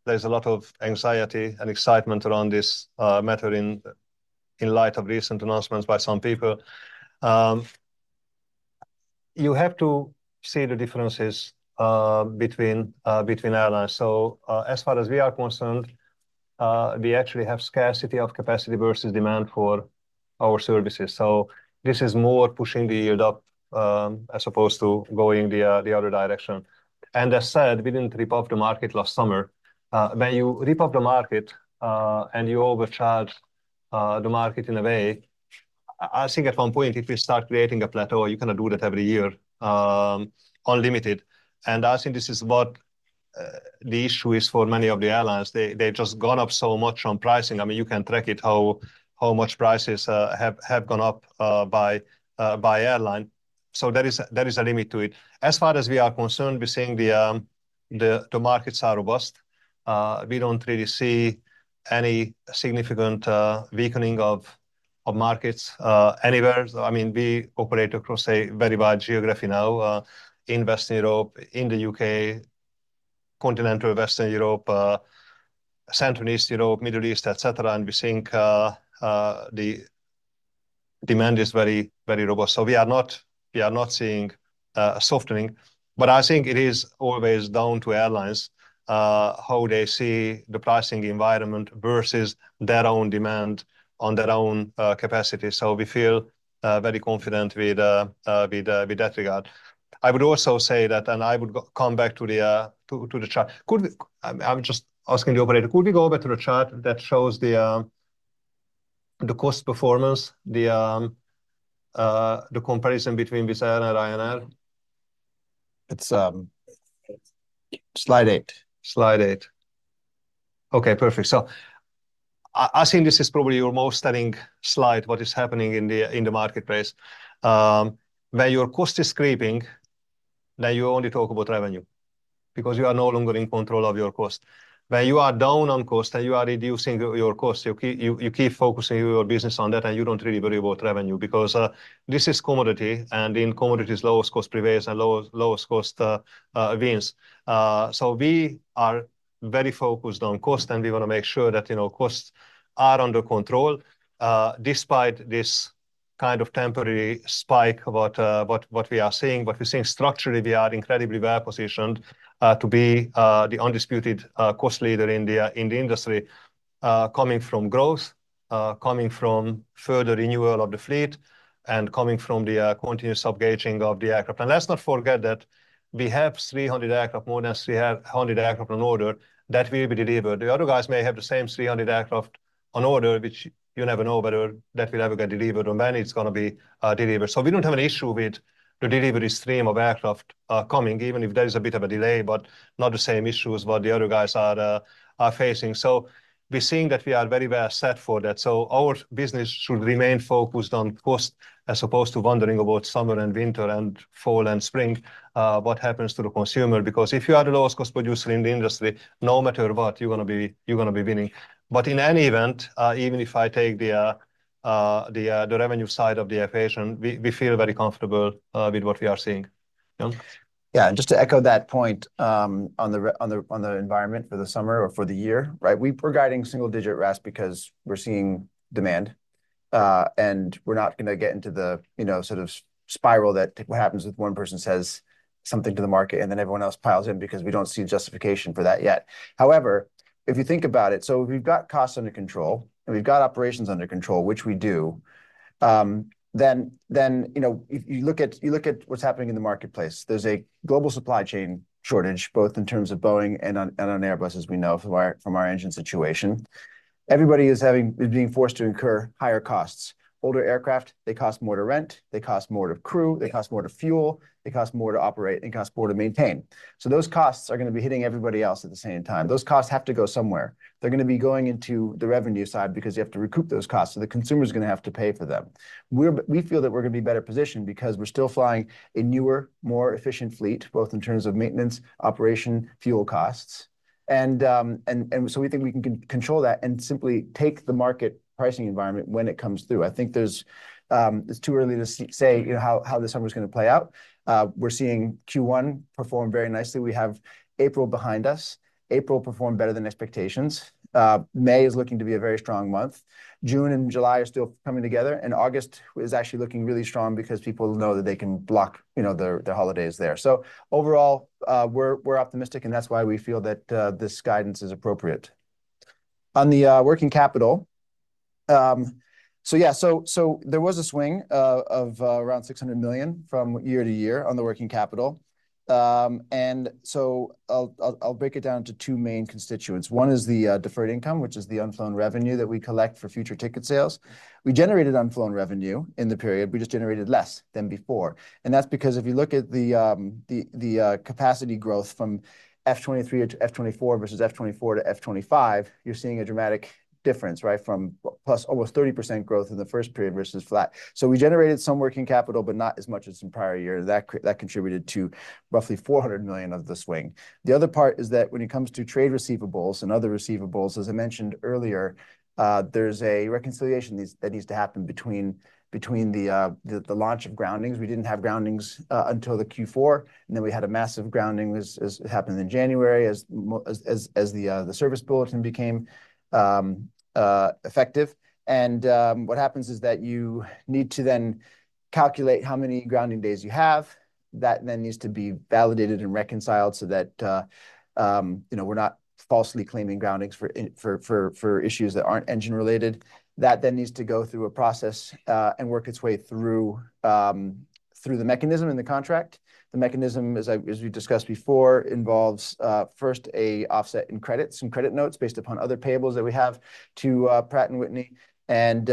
there's a lot of anxiety and excitement around this matter in light of recent announcements by some people. You have to see the differences between between airlines. So, as far as we are concerned, we actually have scarcity of capacity versus demand for our services. So this is more pushing the yield up, as opposed to going the other direction. And as said, we didn't rip off the market last summer. When you rip off the market and you overcharge the market in a way, I think at one point, if you start creating a plateau, you cannot do that every year, unlimited. I think this is what the issue is for many of the airlines. They've just gone up so much on pricing. I mean, you can track it, how much prices have gone up by airline. So there is a limit to it. As far as we are concerned, we're seeing the markets are robust. We don't really see any significant weakening of markets anywhere. I mean, we operate across a very wide geography now in Western Europe, in the UK, continental Western Europe, Central and Eastern Europe, Middle East, et cetera. And we think the demand is very, very robust. So we are not, we are not seeing a softening, but I think it is always down to airlines how they see the pricing environment versus their own demand on their own capacity. So we feel very confident with that regard. I would also say that, and I would go back to the chart. Could we, I'm just asking the operator, could we go back to the chart that shows the cost performance, the comparison between Wizz Air and Ryanair? It's slide eight. Slide eight. Okay, perfect. So I think this is probably your most stunning slide, what is happening in the marketplace. When your cost is creeping, then you only talk about revenue, because you are no longer in control of your cost. When you are down on cost and you are reducing your cost, you keep focusing your business on that, and you don't really worry about revenue, because this is commodity, and in commodities, lowest cost prevails, and lowest cost wins. So we are very focused on cost, and we want to make sure that, you know, costs are under control, despite this kind of temporary spike, what we are seeing. But we're seeing structurally we are incredibly well-positioned to be the undisputed cost leader in the industry, coming from growth, coming from further renewal of the fleet, and coming from the continuous upgauging of the aircraft. And let's not forget that we have 300 aircraft, more than 300 aircraft on order that will be delivered. The other guys may have the same 300 aircraft on order, which you never know whether that will ever get delivered or when it's going to be, delivered. So we don't have an issue with the delivery stream of aircraft, coming, even if there is a bit of a delay, but not the same issues what the other guys are, are facing. So we're seeing that we are very well set for that. So our business should remain focused on cost, as opposed to wondering about summer and winter, and fall and spring, what happens to the consumer? Because if you are the lowest cost producer in the industry, no matter what, you're going to be, you're going to be winning. But in any event, even if I take the revenue side of the equation, we feel very comfortable with what we are seeing. Ian? Yeah, and just to echo that point, on the environment for the summer or for the year, right? We're guiding single-digit RASK because we're seeing demand, and we're not going to get into the, you know, sort of spiral that, what happens if one person says something to the market, and then everyone else piles in, because we don't see a justification for that yet. However, if you think about it, so we've got costs under control, and we've got operations under control, which we do, then, you know, if you look at what's happening in the marketplace, there's a global supply chain shortage, both in terms of Boeing and on Airbus, as we know from our engine situation. Everybody is being forced to incur higher costs. Older aircraft, they cost more to rent, they cost more to crew, they cost more to fuel, they cost more to operate, and cost more to maintain. So those costs are going to be hitting everybody else at the same time. Those costs have to go somewhere. They're going to be going into the revenue side because you have to recoup those costs, so the consumer's going to have to pay for them. We feel that we're going to be better positioned because we're still flying a newer, more efficient fleet, both in terms of maintenance, operation, fuel costs, and so we think we can control that and simply take the market pricing environment when it comes through. I think it's too early to say, you know, how the summer's going to play out. We're seeing Q1 perform very nicely. We have April behind us. April performed better than expectations. May is looking to be a very strong month. June and July are still coming together, and August is actually looking really strong because people know that they can block, you know, their, their holidays there. So overall, we're, we're optimistic, and that's why we feel that this guidance is appropriate. On the working capital, so yeah, so there was a swing of around 600 million from year to year on the working capital. And so I'll, I'll, I'll break it down into two main constituents. One is the deferred income, which is the unflown revenue that we collect for future ticket sales. We generated unflown revenue in the period, we just generated less than before, and that's because if you look at the capacity growth from F23 to F24 versus F24 to F25, you're seeing a dramatic difference, right? From + almost 30% growth in the first period versus flat. So we generated some working capital, but not as much as in prior years. That contributed to roughly 400 million of the swing. The other part is that when it comes to trade receivables and other receivables, as I mentioned earlier, there's a reconciliation needs, that needs to happen between the launch of groundings. We didn't have groundings until the Q4, and then we had a massive grounding as happened in January, as the service bulletin became effective. What happens is that you need to then calculate how many grounding days you have. That then needs to be validated and reconciled so that, you know, we're not falsely claiming groundings for issues that aren't engine-related. That then needs to go through a process and work its way through the mechanism in the contract. The mechanism, as we discussed before, involves first an offset in credits, some credit notes based upon other payables that we have to Pratt & Whitney. And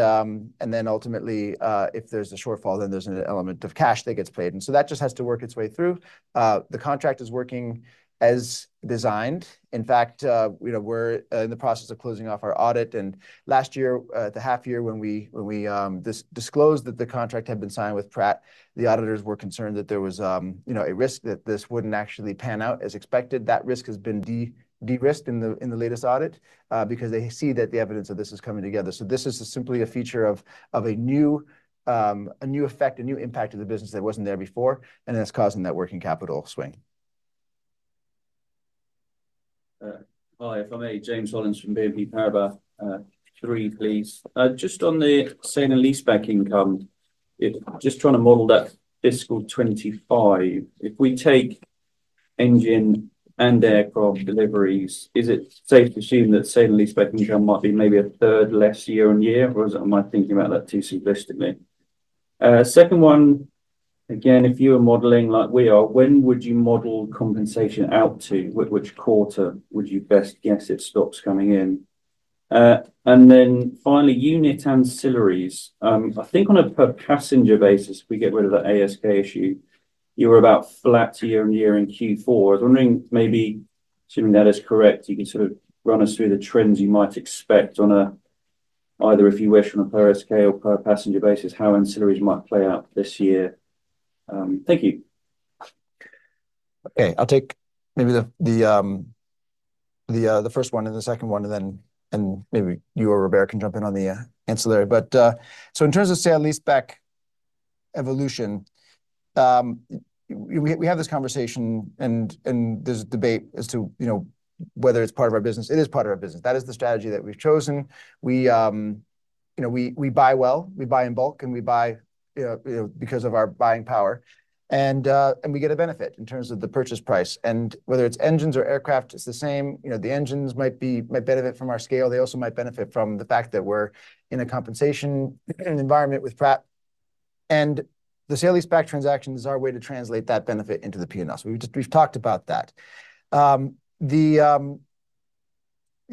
then ultimately, if there's a shortfall, then there's an element of cash that gets paid. And so that just has to work its way through. The contract is working as designed. In fact, you know, we're in the process of closing off our audit, and last year, the half year when we disclosed that the contract had been signed with Pratt, the auditors were concerned that there was, you know, a risk that this wouldn't actually pan out as expected. That risk has been derisked in the latest audit, because they see that the evidence of this is coming together. So this is simply a feature of a new effect, a new impact of the business that wasn't there before, and it's causing that working capital swing. ... Hi, if I may, James Hollins from BNP Paribas. Three, please. Just on the sale and leaseback income, if, just trying to model that fiscal 2025, if we take engine and aircraft deliveries, is it safe to assume that sale and leaseback income might be maybe a third less year-on-year? Or is it, am I thinking about that too simplistically? Second one, again, if you are modeling like we are, when would you model compensation out to? Which, which quarter would you best guess it stops coming in? And then finally, unit ancillaries. I think on a per passenger basis, we get rid of that ASK issue, you were about flat year-on-year in Q4. I was wondering, maybe, assuming that is correct, you can sort of run us through the trends you might expect on a, either, if you wish, on a per ASK or per passenger basis, how ancillaries might play out this year? Thank you. Okay, I'll take the first one and the second one, and then maybe you or Robert can jump in on the ancillary. But so in terms of sale-leaseback evolution, we have this conversation and there's debate as to, you know, whether it's part of our business. It is part of our business. That is the strategy that we've chosen. We, you know, we buy well, we buy in bulk, and we buy because of our buying power, and we get a benefit in terms of the purchase price. And whether it's engines or aircraft, it's the same. You know, the engines might benefit from our scale. They also might benefit from the fact that we're in a compensation, in an environment with Pratt. The sale-leaseback transaction is our way to translate that benefit into the P&L. So we've just talked about that.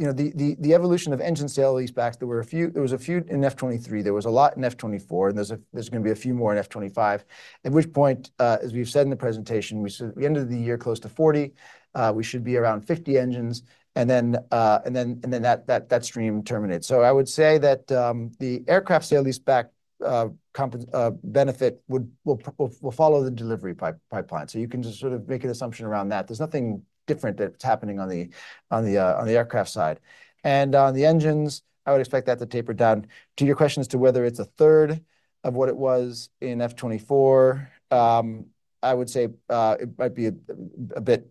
You know, the evolution of engine sale-leasebacks, there were a few in FY 2023, there was a lot in FY 2024, and there's gonna be a few more in FY 2025. At which point, as we've said in the presentation, we said at the end of the year, close to 40, we should be around 50 engines, and then that stream terminates. So I would say that, the aircraft sale-leaseback benefit will follow the delivery pipeline. So you can just sort of make an assumption around that. There's nothing different that's happening on the aircraft side. And on the engines, I would expect that to taper down. To your question as to whether it's a third of what it was in F 24, I would say it might be a bit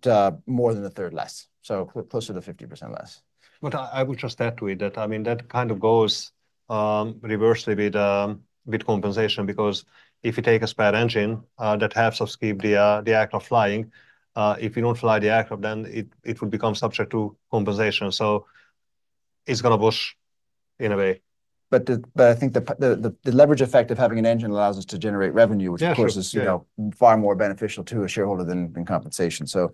more than a third less, so closer to 50% less. But I would just add to it that, I mean, that kind of goes reversely with compensation because if you take a spare engine that has obscured the act of flying, if you don't fly the aircraft, then it will become subject to compensation. So it's gonna push in a way. But I think the leverage effect of having an engine allows us to generate revenue- Yeah, sure. which of course is, you know, far more beneficial to a shareholder than compensation. So,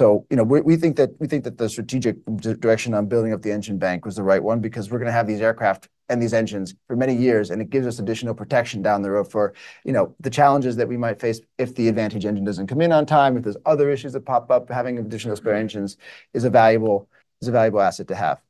you know, we think that the strategic direction on building up the engine bank was the right one because we're gonna have these aircraft and these engines for many years, and it gives us additional protection down the road for, you know, the challenges that we might face if the Advantage engine doesn't come in on time, if there's other issues that pop up. Having additional spare engines is a valuable asset to have.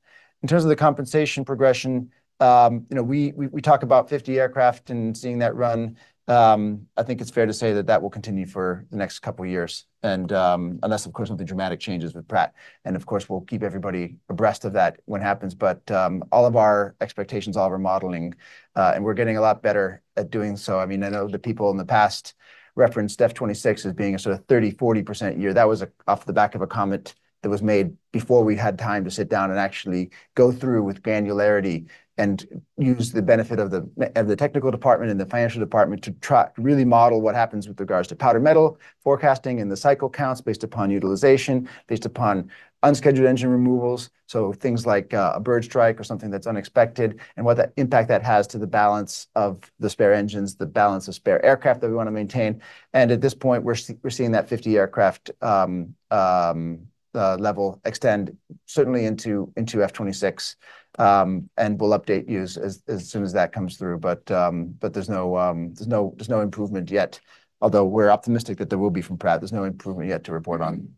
In terms of the compensation progression, you know, we talk about 50 aircraft and seeing that run. I think it's fair to say that that will continue for the next couple of years, and unless, of course, something dramatic changes with Pratt. Of course, we'll keep everybody abreast of that when it happens. But all of our expectations, all of our modeling, and we're getting a lot better at doing so. I mean, I know the people in the past referenced F 26 as being a sort of 30%-40% year. That was off the back of a comment that was made before we had time to sit down and actually go through with granularity and use the benefit of the technical department and the financial department to try to really model what happens with regards to powdered metal forecasting and the cycle counts based upon utilization, based upon unscheduled engine removals. So things like a bird strike or something that's unexpected, and what impact that has to the balance of the spare engines, the balance of spare aircraft that we want to maintain. At this point, we're seeing that 50 aircraft level extend certainly into F 26. We'll update you as soon as that comes through. But there's no improvement yet. Although we're optimistic that there will be from Pratt, there's no improvement yet to report on.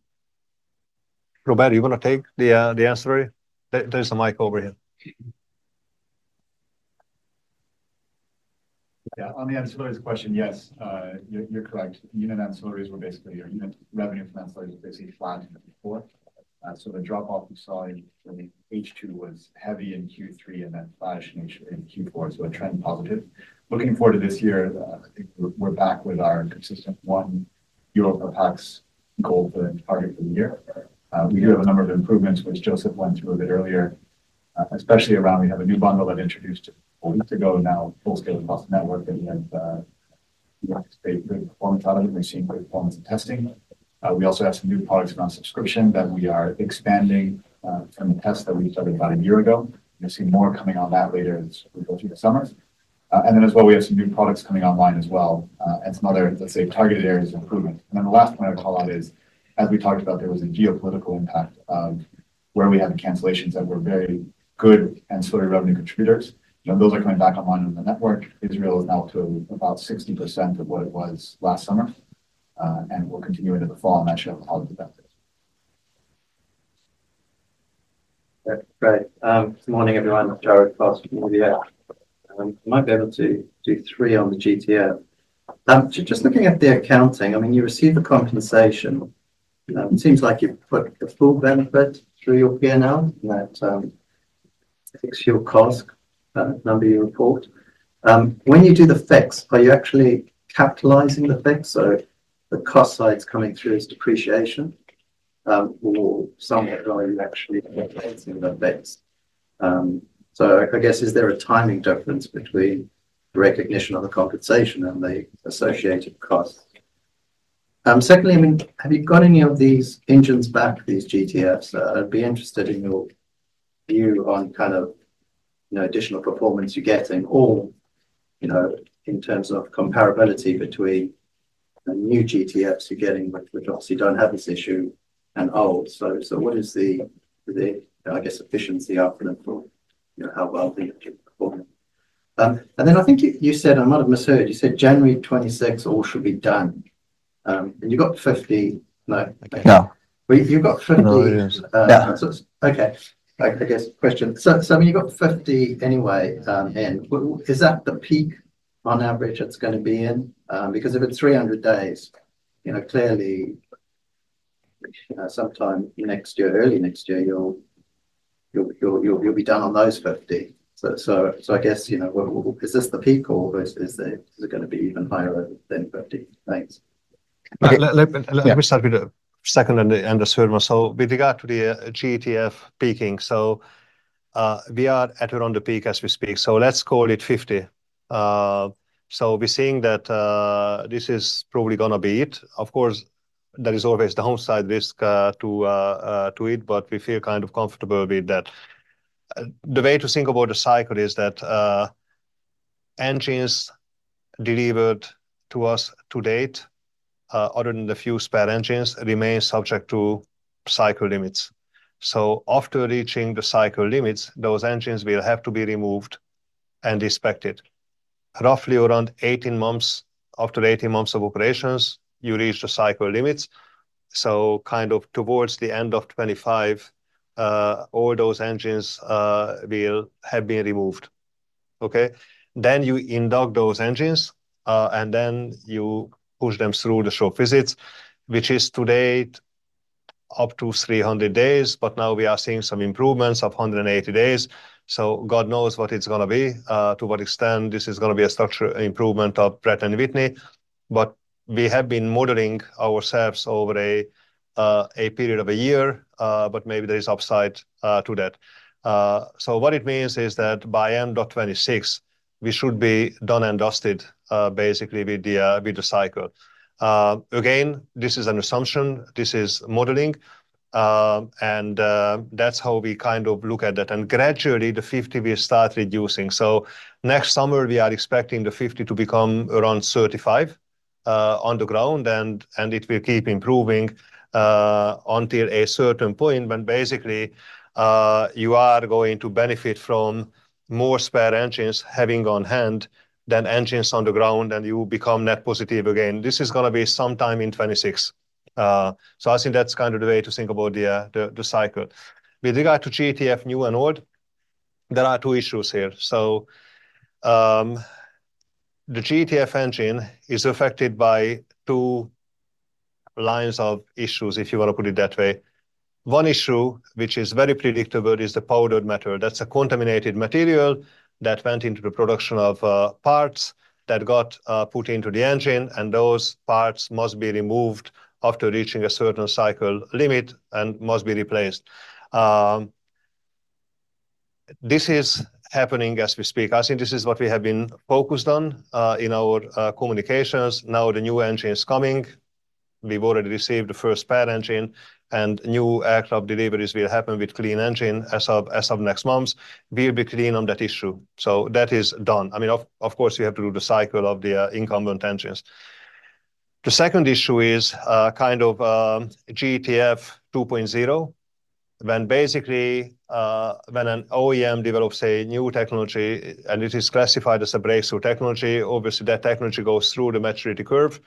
Robert, you want to take the ancillary? There, there's a mic over here. Yeah, on the ancillaries question, yes, you're correct. Unit ancillaries were basically, or unit revenue from ancillaries was basically flat in the fourth. So the drop-off we saw in H2 was heavy in Q3 and then flashed in Q4, so a trend positive. Looking forward to this year, I think we're back with our consistent 1 euro per PAX goal for the target for the year. We do have a number of improvements, which József went through a bit earlier, especially around. We have a new bundle that introduced a week ago now, full-scale across the network, that we have great, great performance on it. We've seen great performance in testing. We also have some new products around subscription that we are expanding from the test that we started about a year ago. You'll see more coming on that later as we go through the summer. And then as well, we have some new products coming online as well, and some other, let's say, targeted areas of improvement. And then the last point I'd call out is, as we talked about, there was a geopolitical impact of where we had the cancellations that were very good ancillary revenue contributors. You know, those are coming back online on the network. Israel is now to about 60% of what it was last summer, and will continue into the fall, and that should have a positive effect. Great. Good morning, everyone. Jarrod Castle from UBS. I might be able to do 3 on the GTF. Just looking at the accounting, I mean, you receive the compensation. It seems like you've put the full benefit through your P&L that fixes your cost number you report. When you do the fix, are you actually capitalizing the fix, so the cost side's coming through as depreciation, or somewhere are you actually replacing the fix? So I guess, is there a timing difference between the recognition of the compensation and the associated cost? Secondly, I mean, have you got any of these engines back, these GTFs? I'd be interested in your view on kind of, you know, additional performance you're getting or, you know, in terms of comparability between the new GTFs you're getting, which obviously don't have this issue, and old. So what is the, I guess, efficiency output for, you know, how well they're performing? And then I think you said, I might have misheard, you said January '26 all should be done. And you got 50-- No. No. Well, you've got 50- No, it is. Yeah. Okay. I guess question. So I mean, you got 50 anyway in. Is that the peak on average it's gonna be in? Because if it's 300 days, you know, clearly sometime next year, early next year, you'll be done on those 50. So I guess, you know, is this the peak or is it gonna be even higher than 50? Thanks. Let me start with the second and the third one. So with regard to the GTF peaking, we are at around the peak as we speak, so let's call it 50. So we're seeing that this is probably gonna be it. Of course, there is always the downside risk to it, but we feel kind of comfortable with that. The way to think about the cycle is that engines delivered to us to date, other than the few spare engines, remain subject to cycle limits. So after reaching the cycle limits, those engines will have to be removed and inspected. Roughly around 18 months, after 18 months of operations, you reach the cycle limits. So kind of towards the end of 2025, all those engines will have been removed. Okay? Then you induct those engines, and then you push them through the short visits, which is to date up to 300 days, but now we are seeing some improvements of 180 days. So God knows what it's gonna be, to what extent this is gonna be a structural improvement of Pratt & Whitney. But we have been modeling ourselves over a period of a year, but maybe there is upside to that. So what it means is that by end of 2026, we should be done and dusted, basically with the cycle. Again, this is an assumption, this is modeling, and that's how we kind of look at that. And gradually, the 50 will start reducing. So next summer, we are expecting the 50 to become around 35 on the ground, and it will keep improving until a certain point when basically you are going to benefit from more spare engines having on hand than engines on the ground, and you will become net positive again. This is gonna be sometime in 2026. So I think that's kind of the way to think about the cycle. With regard to GTF new and old, there are two issues here. So the GTF engine is affected by two lines of issues, if you want to put it that way. One issue, which is very predictable, is the powdered metal. That's a contaminated material that went into the production of parts that got put into the engine, and those parts must be removed after reaching a certain cycle limit and must be replaced. This is happening as we speak. I think this is what we have been focused on in our communications. Now, the new engine is coming. We've already received the first spare engine, and new aircraft deliveries will happen with clean engine. As of next month, we'll be clean on that issue, so that is done. I mean, of course, we have to do the cycle of the incumbent engines. The second issue is kind of GTF 2.0, when basically when an OEM develops a new technology and it is classified as a breakthrough technology, obviously, that technology goes through the maturity curve.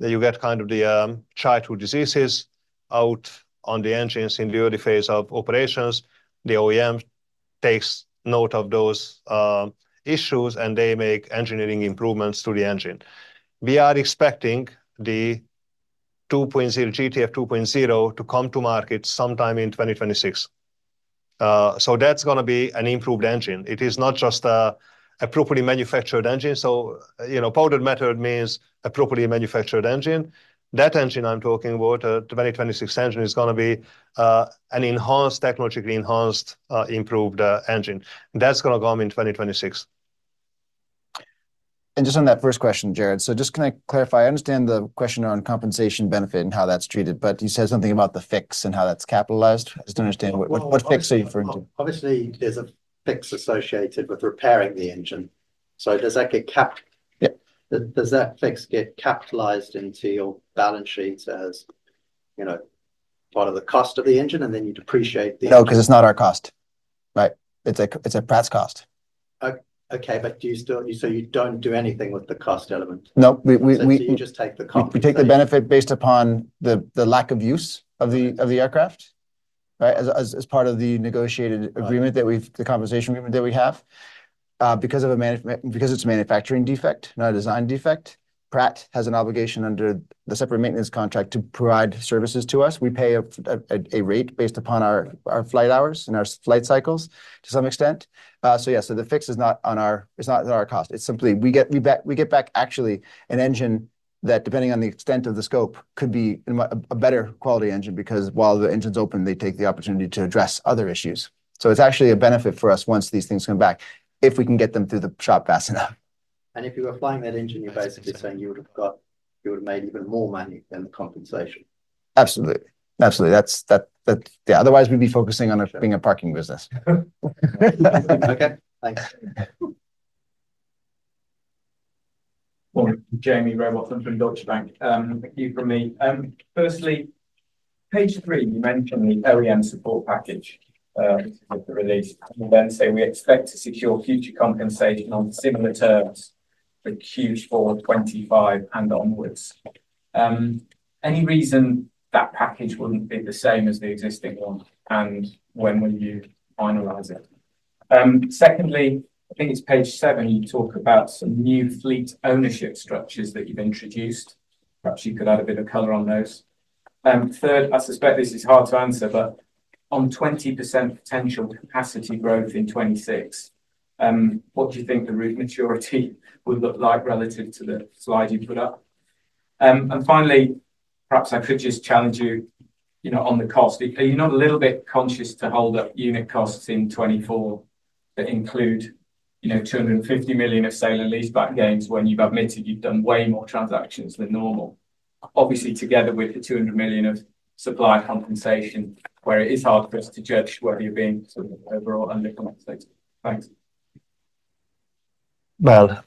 Then you get kind of the childhood diseases out on the engines in the early phase of operations. The OEM takes note of those issues, and they make engineering improvements to the engine. We are expecting the 2.0, GTF 2.0 to come to market sometime in 2026. So that's gonna be an improved engine. It is not just a appropriately manufactured engine. So, you know, powdered metal means appropriately manufactured engine. That engine I'm talking about, a 2026 engine, is gonna be an enhanced, technologically enhanced, improved engine. That's gonna come in 2026. And just on that first question, Jarrod, so just can I clarify? I understand the question around compensation benefit and how that's treated, but you said something about the fix and how that's capitalized. I just don't understand what fix are you referring to? Obviously, there's a fix associated with repairing the engine. So does that get cap- Yeah. Does that fix get capitalized into your balance sheet as, you know, part of the cost of the engine, and then you depreciate the engine? No, 'cause it's not our cost, right? It's Pratt's cost. Okay, but do you still... So you don't do anything with the cost element? No, we— So you just take the compensation- We take the benefit based upon the lack of use of the- Right... of the aircraft, right? As part of the negotiated agreement that we've-- the compensation agreement that we have.... because it's a manufacturing defect, not a design defect, Pratt & Whitney has an obligation under the separate maintenance contract to provide services to us. We pay a rate based upon our flight hours and our flight cycles to some extent. So yeah, so the fix is not on our, it's not at our cost. It's simply we get, we get back actually an engine that, depending on the extent of the scope, could be a better quality engine, because while the engine's open, they take the opportunity to address other issues. So it's actually a benefit for us once these things come back, if we can get them through the shop fast enough. If you were flying that engine, you're basically saying you would have got, you would have made even more money than the compensation? Absolutely. Absolutely. That's... Yeah, otherwise, we'd be focusing on being a parking business. Okay, thanks. Well, Jamie Rowbotham from Deutsche Bank. Thank you from me. Firstly, page 3, you mention the OEM support package, with the release, and then say, "We expect to secure future compensation on similar terms for Q4 2025 and onwards." Any reason that package wouldn't be the same as the existing one, and when will you finalize it? Secondly, I think it's page 7, you talk about some new fleet ownership structures that you've introduced. Perhaps you could add a bit of color on those. Third, I suspect this is hard to answer, but on 20% potential capacity growth in 2026, what do you think the route maturity will look like relative to the slide you put up? And finally, perhaps I could just challenge you, you know, on the cost. Are you not a little bit conscious to hold up unit costs in 2024 that include, you know, 250 million of sale and leaseback gains when you've admitted you've done way more transactions than normal? Obviously, together with the 200 million of supplier compensation, where it is hard for us to judge whether you're being sort of overall undercompensated. Thanks. Well,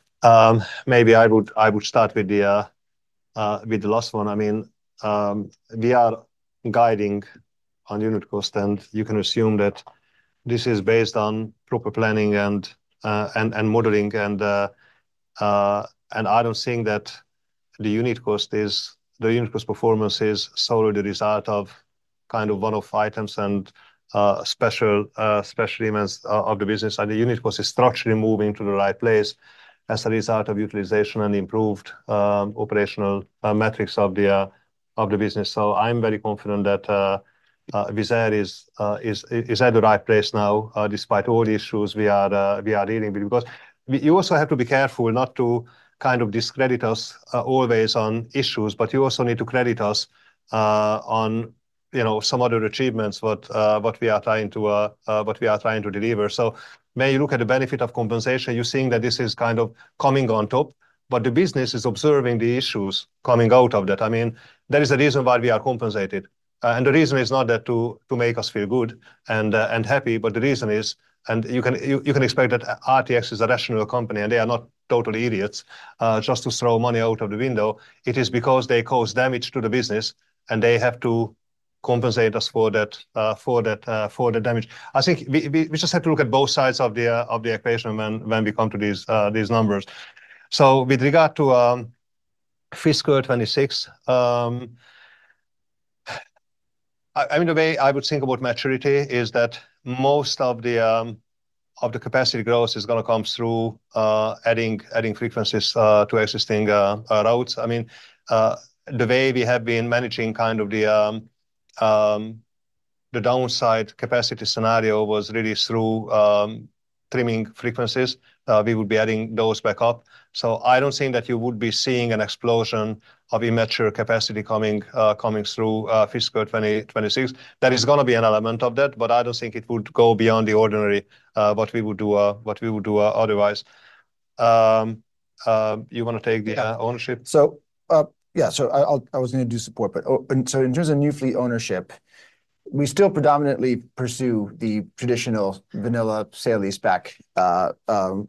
maybe I would start with the last one. I mean, we are guiding on unit cost, and you can assume that this is based on proper planning and modeling, and I don't think that the unit cost performance is solely the result of kind of one-off items and special events of the business. And the unit cost is structurally moving to the right place as a result of utilization and improved operational metrics of the business. So I'm very confident that Wizz Air is at the right place now, despite all the issues we are dealing with. Because we, you also have to be careful not to kind of discredit us, always on issues, but you also need to credit us, on, you know, some other achievements, what we are trying to deliver. So when you look at the benefit of compensation, you're seeing that this is kind of coming on top, but the business is observing the issues coming out of that. I mean, there is a reason why we are compensated, and the reason is not there to make us feel good and happy, but the reason is... And you can expect that RTX is a rational company, and they are not totally idiots, just to throw money out of the window. It is because they cause damage to the business, and they have to compensate us for that, for the damage. I think we just have to look at both sides of the equation when we come to these numbers. So with regard to fiscal 2026, I mean, the way I would think about maturity is that most of the capacity growth is gonna come through adding frequencies to existing routes. I mean, the way we have been managing kind of the downside capacity scenario was really through trimming frequencies. We will be adding those back up. So I don't think that you would be seeing an explosion of immature capacity coming through fiscal 2026. That is gonna be an element of that, but I don't think it would go beyond the ordinary, what we would do otherwise. You want to take the ownership? In terms of new fleet ownership, we still predominantly pursue the traditional vanilla sale-leaseback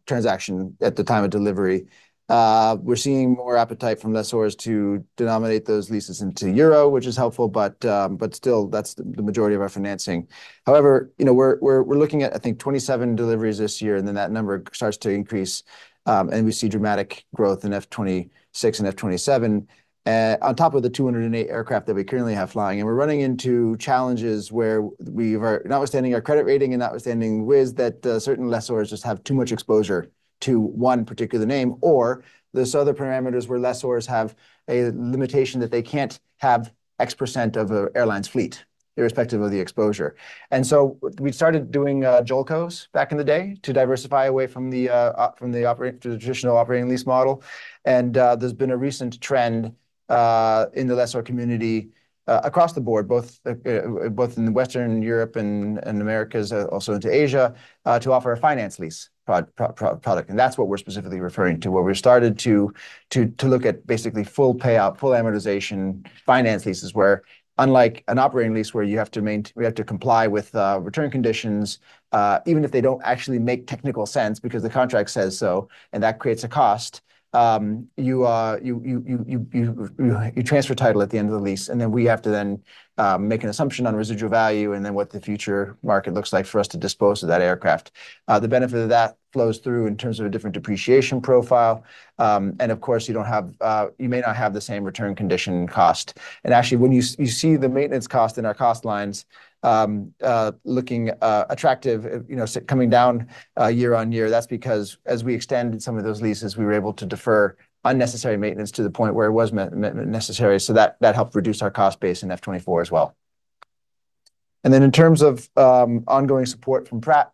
transaction at the time of delivery. We're seeing more appetite from lessors to denominate those leases into euro, which is helpful, but still, that's the majority of our financing. However, you know, we're looking at, I think, 27 deliveries this year, and then that number starts to increase, and we see dramatic growth in F-26 and F-27, on top of the 208 aircraft that we currently have flying. We're running into challenges where we were, notwithstanding our credit rating and notwithstanding Wizz, that certain lessors just have too much exposure to one particular name, or there's other parameters where lessors have a limitation that they can't have X% of an airline's fleet, irrespective of the exposure. And so we started doing JOLCOs back in the day to diversify away from the operating, the traditional operating lease model. And there's been a recent trend in the lessor community across the board, both in Western Europe and Americas, also into Asia, to offer a finance lease product. And that's what we're specifically referring to, where we started to look at basically full payout, full amortization, finance leases, where unlike an operating lease, where we have to comply with return conditions, even if they don't actually make technical sense, because the contract says so, and that creates a cost, you transfer title at the end of the lease, and then we have to then make an assumption on residual value and then what the future market looks like for us to dispose of that aircraft. The benefit of that flows through in terms of a different depreciation profile, and of course, you don't have, you may not have the same return condition cost. And actually, when you see the maintenance cost in our cost lines, looking attractive, you know, coming down year on year, that's because as we extended some of those leases, we were able to defer unnecessary maintenance to the point where it was necessary. So that helped reduce our cost base in F-24 as well. And then in terms of ongoing support from Pratt,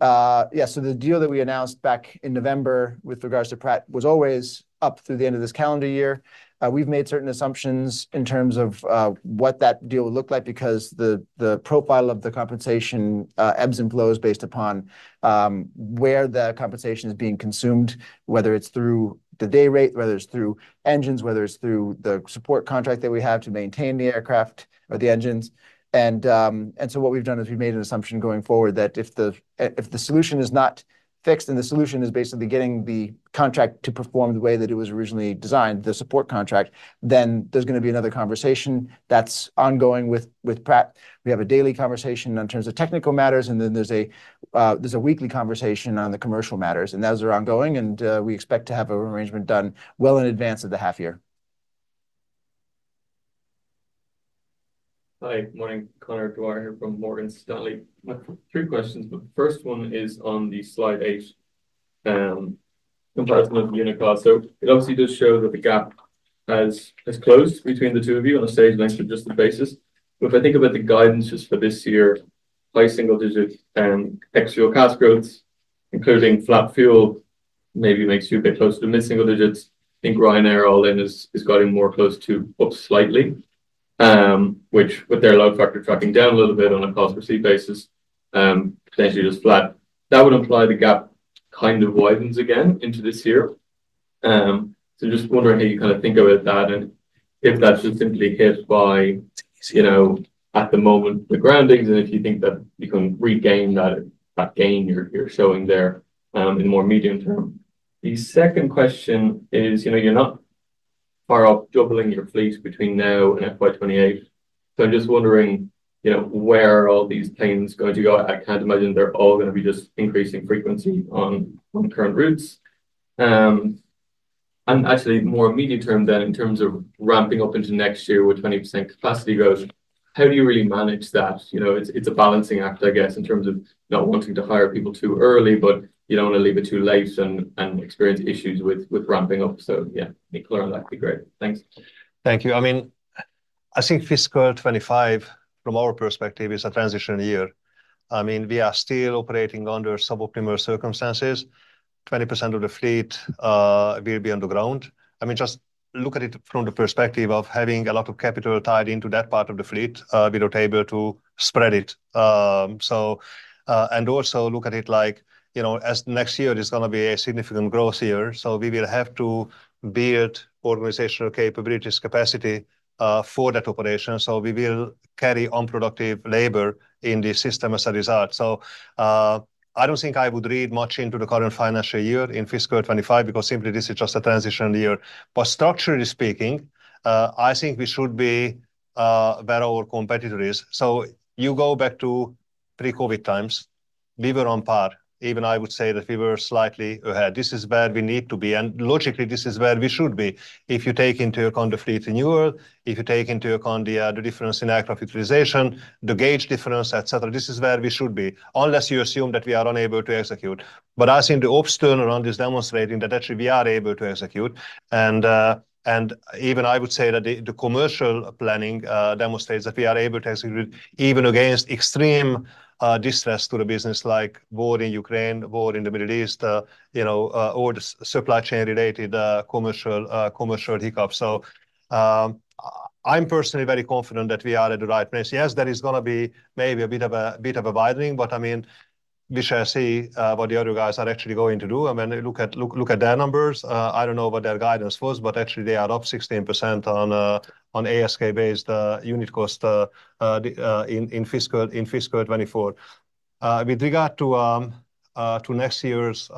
yeah, so the deal that we announced back in November with regards to Pratt was always up through the end of this calendar year. We've made certain assumptions in terms of what that deal would look like, because the profile of the compensation ebbs and flows based upon where the compensation is being consumed, whether it's through the day rate, whether it's through engines, whether it's through the support contract that we have to maintain the aircraft or the engines. And so what we've done is we've made an assumption going forward that if the solution is not fixed, and the solution is basically getting the contract to perform the way that it was originally designed, the support contract, then there's gonna be another conversation that's ongoing with Pratt. We have a daily conversation in terms of technical matters, and then there's a, there's a weekly conversation on the commercial matters, and those are ongoing, and, we expect to have an arrangement done well in advance of the half year. Hi, morning. Conor Dwyer here from Morgan Stanley. I've three questions, but the first one is on the slide 8, comparison of unit cost. So it obviously does show that the gap has, has closed between the two of you on a stage length or just the basis. But if I think about the guidances for this year, by single digit and extra cost growth, including flat fuel, maybe makes you a bit closer to mid single digits. I think Ryanair all in is, is getting more close to up slightly, which with their load factor tracking down a little bit on a cost per seat basis, potentially just flat. That would imply the gap kind of widens again into this year. So just wondering how you kind of think about that, and if that's just simply hit by, you know, at the moment, the groundings, and if you think that you can regain that gain you're showing there, in more medium term. The second question is, you know, you're not far off doubling your fleet between now and FY 2028. So I'm just wondering, you know, where are all these planes going to go? I can't imagine they're all gonna be just increasing frequency on current routes. And actually, more immediate term then, in terms of ramping up into next year with 20% capacity growth, how do you really manage that? You know, it's a balancing act, I guess, in terms of not wanting to hire people too early, but you don't want to leave it too late and experience issues with ramping up. So, yeah, any color on that would be great. Thanks. Thank you. I mean, I think fiscal 25, from our perspective, is a transition year. I mean, we are still operating under suboptimal circumstances. 20% of the fleet will be on the ground. I mean, just look at it from the perspective of having a lot of capital tied into that part of the fleet, we are able to spread it. And also look at it like, you know, as next year is gonna be a significant growth year, so we will have to build organizational capabilities, capacity, for that operation. So we will carry unproductive labor in the system as a result. So, I don't think I would read much into the current financial year in fiscal 25, because simply this is just a transition year. But structurally speaking, I think we should be where our competitor is. So you go back to pre-COVID times, we were on par. Even I would say that we were slightly ahead. This is where we need to be, and logically, this is where we should be. If you take into account the fleet renewal, if you take into account the difference in aircraft utilization, the gauge difference, et cetera, this is where we should be, unless you assume that we are unable to execute. But I think the ops turnaround is demonstrating that actually we are able to execute. And even I would say that the commercial planning demonstrates that we are able to execute even against extreme distress to the business, like war in Ukraine, war in the Middle East, you know, or the supply chain-related commercial hiccup. So, I'm personally very confident that we are at the right place. Yes, there is gonna be maybe a bit of a widening, but I mean, we shall see what the other guys are actually going to do. I mean, look at their numbers. I don't know what their guidance was, but actually, they are up 16% on ASK-based unit cost in fiscal 2024. With regard to next year's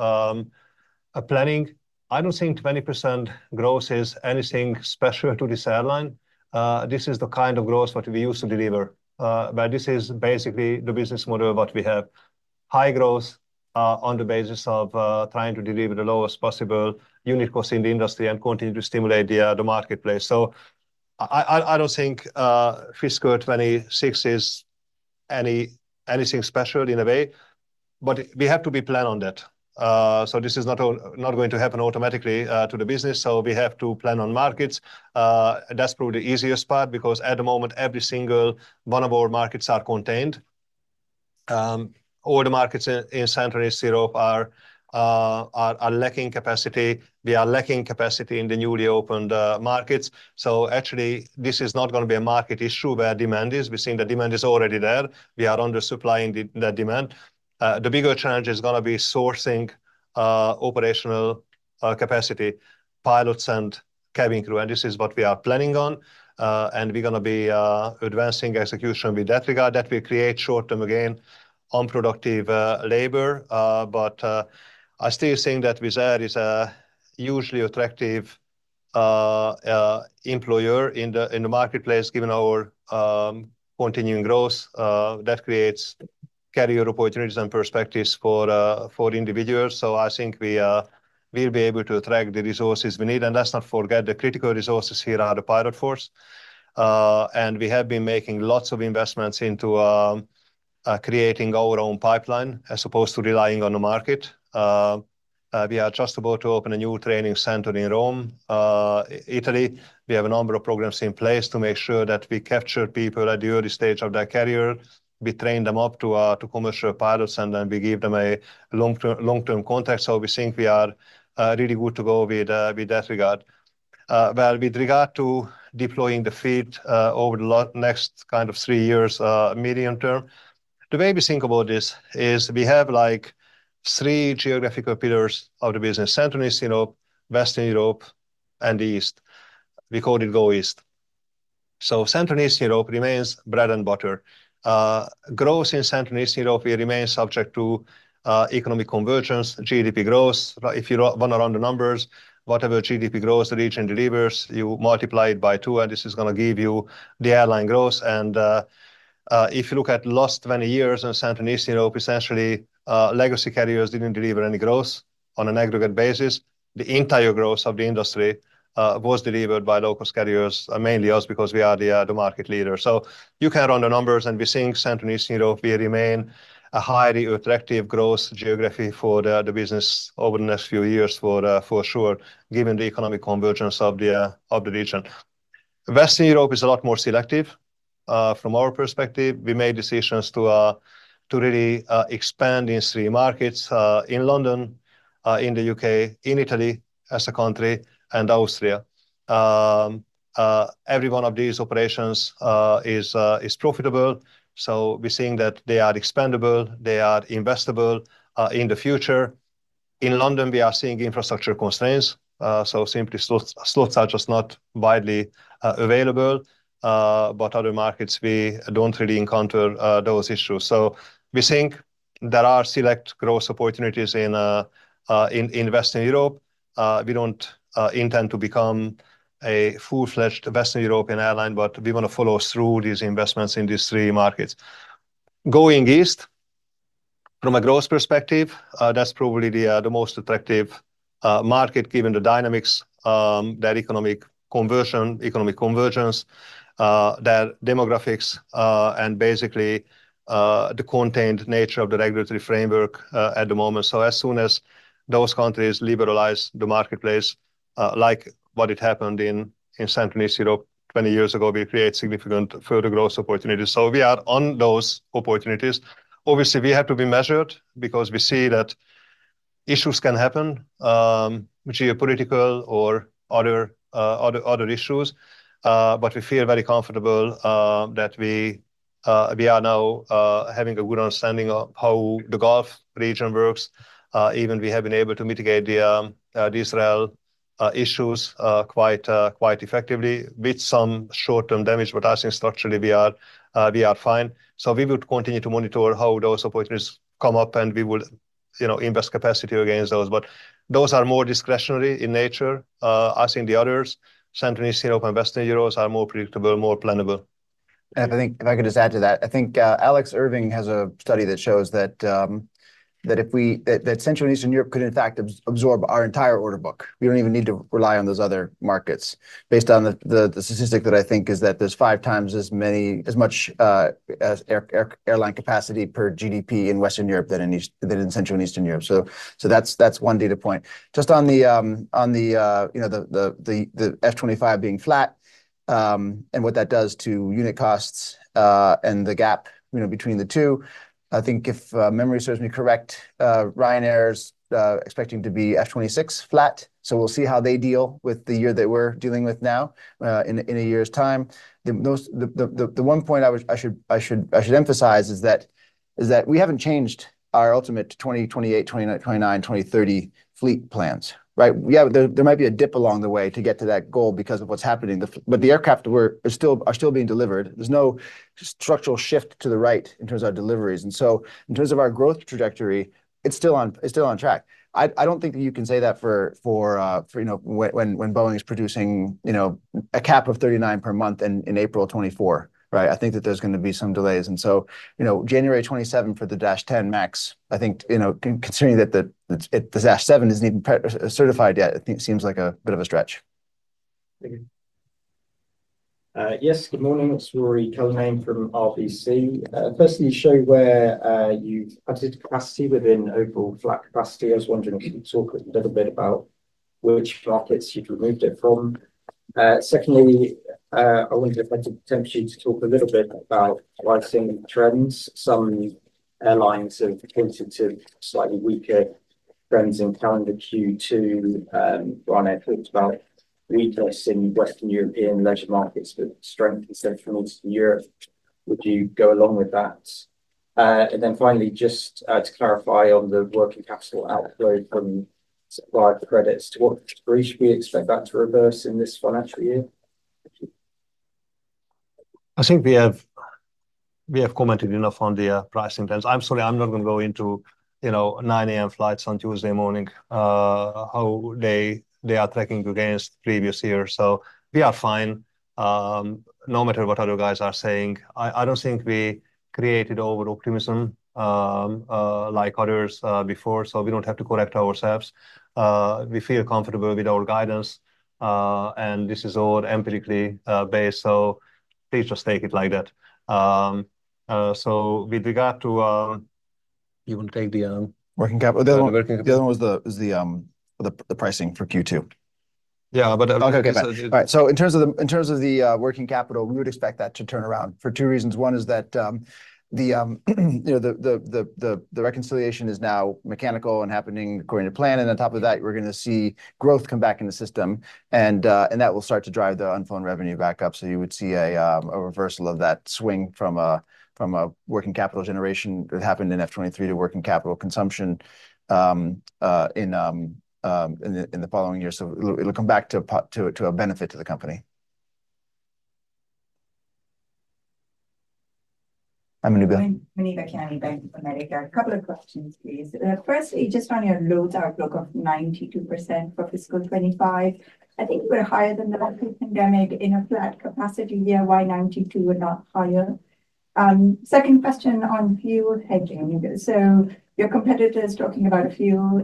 planning, I don't think 20% growth is anything special to this airline. This is the kind of growth what we used to deliver, but this is basically the business model, what we have: high growth, on the basis of, trying to deliver the lowest possible unit cost in the industry and continue to stimulate the, the marketplace. So I, I, I don't think, fiscal 2026 is anything special in a way, but we have to be plan on that. So this is not all-- not going to happen automatically, to the business, so we have to plan on markets. That's probably the easiest part, because at the moment, every single one of our markets are contained. All the markets in, in Central and Eastern Europe are, are, are lacking capacity. We are lacking capacity in the newly opened, markets. So actually, this is not gonna be a market issue where demand is. We're seeing the demand is already there. We are under-supplying the demand. The bigger challenge is gonna be sourcing operational capacity, pilots and cabin crew, and this is what we are planning on. And we're gonna be advancing execution with that regard. That will create short-term, again, unproductive labor. But I still think that Wizz Air is a usually attractive employer in the marketplace, given our continuing growth that creates career opportunities and perspectives for individuals. So I think we will be able to attract the resources we need. And let's not forget, the critical resources here are the pilot force. And we have been making lots of investments into... Creating our own pipeline as opposed to relying on the market. We are just about to open a new training center in Rome, Italy. We have a number of programs in place to make sure that we capture people at the early stage of their career. We train them up to commercial pilots, and then we give them a long-term, long-term contract. So we think we are really good to go with that regard. Well, with regard to deploying the fleet, over the next kind of three years, medium term, the way we think about this is we have, like, three geographical pillars of the business: Central Eastern Europe, Western Europe, and the East. We call it Go East. So Central and Eastern Europe remains bread and butter. Growth in Central and Eastern Europe will remain subject to economic convergence, GDP growth. If you run around the numbers, whatever GDP growth the region delivers, you multiply it by two, and this is gonna give you the airline growth. And if you look at last 20 years in Central and Eastern Europe, essentially, legacy carriers didn't deliver any growth on an aggregate basis. The entire growth of the industry was delivered by local carriers, mainly us, because we are the market leader. So you can run the numbers, and we're seeing Central and Eastern Europe will remain a highly attractive growth geography for the business over the next few years, for sure, given the economic convergence of the region. Western Europe is a lot more selective. From our perspective, we made decisions to really expand in three markets: in London, in the UK, in Italy as a country, and Austria. Every one of these operations is profitable, so we're seeing that they are expandable, they are investable in the future. In London, we are seeing infrastructure constraints, so simply slots. Slots are just not widely available. But other markets, we don't really encounter those issues. So we think there are select growth opportunities in Western Europe. We don't intend to become a full-fledged Western European airline, but we want to follow through these investments in these three markets. Going east, from a growth perspective, that's probably the most attractive market, given the dynamics, their economic conversion, economic convergence, their demographics, and basically, the contained nature of the regulatory framework, at the moment. So as soon as those countries liberalize the marketplace, like what had happened in Central and Eastern Europe 20 years ago, we create significant further growth opportunities. So we are on those opportunities. Obviously, we have to be measured because we see that issues can happen, geopolitical or other issues. But we feel very comfortable that we are now having a good understanding of how the Gulf region works. Even we have been able to mitigate the Israel issues quite effectively with some short-term damage. I think structurally we are, we are fine. We would continue to monitor how those opportunities come up, and we would, you know, invest capacity against those. Those are more discretionary in nature. I think the others, Central and Eastern Europe and Western Europe, are more predictable, more plannable. I think if I could just add to that, I think Alex Irving has a study that shows that Central and Eastern Europe could in fact absorb our entire order book. We don't even need to rely on those other markets, based on the statistic that I think is that there's five times as much airline capacity per GDP in Western Europe than in Central and Eastern Europe. So that's one data point. Just on the, you know, the S25 being flat, and what that does to unit costs, and the gap, you know, between the two, I think if memory serves me correct, Ryanair's expecting to be S26 flat. So we'll see how they deal with the year that we're dealing with now in a year's time. The one point I should emphasize is that we haven't changed our ultimate 2028, 2029, 2030 fleet plans, right? Yeah, there might be a dip along the way to get to that goal because of what's happening. But the aircraft are still being delivered. There's no structural shift to the right in terms of our deliveries, and so in terms of our growth trajectory, it's still on track. I don't think that you can say that for, you know, when Boeing is producing, you know, a cap of 39 per month in April 2024, right? I think that there's gonna be some delays. And so, you know, January 2027 for the dash 10 MAX, I think, you know, considering that the dash 7 isn't even pre-certified yet, I think it seems like a bit of a stretch. Thank you. Yes, good morning. It's Ruairi Cullinane from RBC. Firstly, you show where you've added capacity within overall flat capacity. I was wondering if you could talk a little bit about which markets you've removed it from. Secondly, I wanted to invite you to talk a little bit about pricing trends. Some airlines have hinted to slightly weaker trends in calendar Q2. Ryanair talked about weakness in Western European leisure markets, but strength in Central and Eastern Europe. Would you go along with that? And then finally, just to clarify on the working capital outflow from supplier credits, to what degree should we expect that to reverse in this financial year? Thank you. I think we have, we have commented enough on the pricing trends. I'm sorry, I'm not gonna go into, you know, 9:00 A.M. flights on Tuesday morning, how they, they are tracking against previous year. So we are fine, no matter what other guys are saying. I, I don't think we created overoptimism, like others, before, so we don't have to correct ourselves. We feel comfortable with our guidance, and this is all empirically based, so please just take it like that. So with regard to... You want to take the, Working capital? The working capital. The other one was the pricing for Q2. Yeah, but- Okay, okay. All right, so in terms of the, in terms of the working capital, we would expect that to turn around for two reasons. One is that, you know, the reconciliation is now mechanical and happening according to plan, and on top of that, we're going to see growth come back in the system. And that will start to drive the unearned revenue back up. So you would see a reversal of that swing from a working capital generation that happened in FY 2023 to working capital consumption in the following year. So it'll come back to positive, to a benefit to the company. Hi, Muneeba? Muneeba Kayani, Bank of America. A couple of questions, please. Firstly, just on your load outlook of 92% for fiscal 2025, I think you were higher than that pre-pandemic in a flat capacity year. Why 92% and not higher? Second question on fuel hedging. So your competitor is talking about a fuel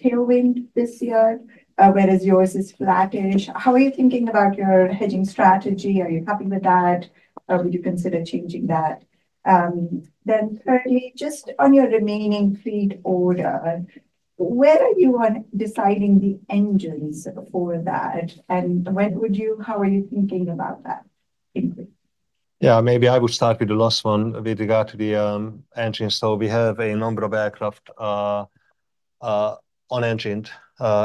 tailwind this year, whereas yours is flattish. How are you thinking about your hedging strategy? Are you happy with that, or would you consider changing that? Then thirdly, just on your remaining fleet order, where are you on deciding the engines for that, and how are you thinking about that increase? Yeah, maybe I would start with the last one with regard to the engine. So we have a number of aircraft un-engined.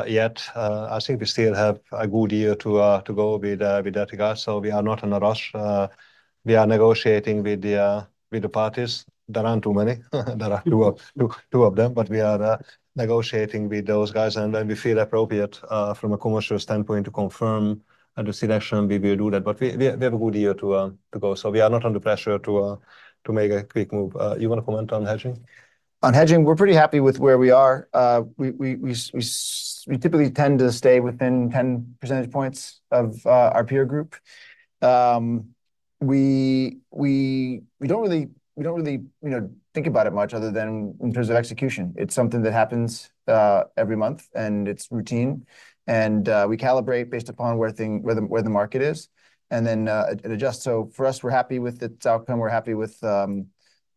Yet, I think we still have a good year to go with that regard, so we are not in a rush. We are negotiating with the parties. There aren't too many, there are two of them. But we are negotiating with those guys, and when we feel appropriate from a commercial standpoint to confirm the selection, we will do that. But we have a good year to go, so we are not under pressure to make a quick move. You want to comment on hedging? On hedging, we're pretty happy with where we are. We typically tend to stay within 10 percentage points of our peer group. We don't really, you know, think about it much other than in terms of execution. It's something that happens every month, and it's routine, and we calibrate based upon where the market is, and then it adjusts. So for us, we're happy with its outcome. We're happy with, you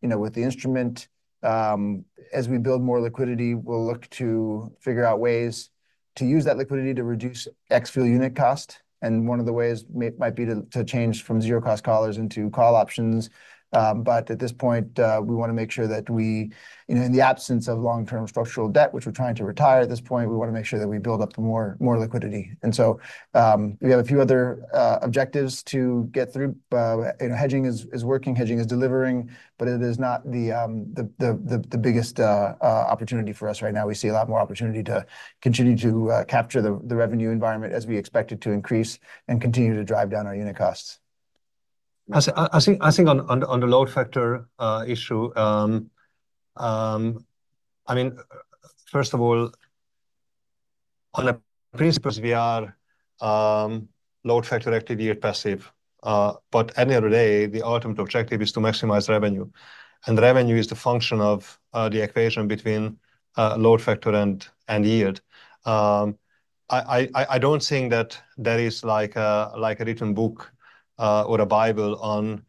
know, with the instrument. As we build more liquidity, we'll look to figure out ways to use that liquidity to reduce ex-fuel unit cost, and one of the ways might be to change from zero-cost collars into call options. But at this point, we want to make sure that we... You know, in the absence of long-term structural debt, which we're trying to retire at this point, we want to make sure that we build up more liquidity. And so, we have a few other objectives to get through. You know, hedging is working, hedging is delivering, but it is not the biggest opportunity for us right now. We see a lot more opportunity to continue to capture the revenue environment as we expect it to increase and continue to drive down our unit costs. As I think on the load factor issue, I mean, first of all, in principle we are load factor activity and passive. But any other day, the ultimate objective is to maximize revenue, and revenue is the function of the equation between load factor and yield. I don't think that there is like a written book or a Bible on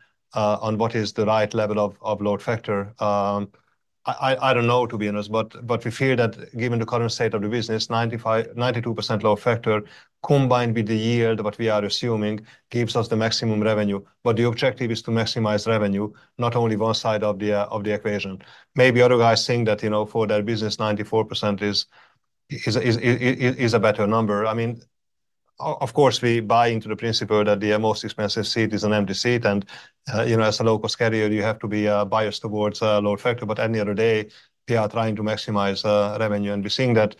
what is the right level of load factor. I don't know, to be honest, but we feel that given the current state of the business, 95, 92% load factor, combined with the yield what we are assuming gives us the maximum revenue. But the objective is to maximize revenue, not only one side of the equation. Maybe other guys think that, you know, for their business, 94% is a better number. I mean, of course, we buy into the principle that the most expensive seat is an empty seat, and, you know, as a low-cost carrier, you have to be biased towards load factor. But any other day, we are trying to maximize revenue, and we're seeing that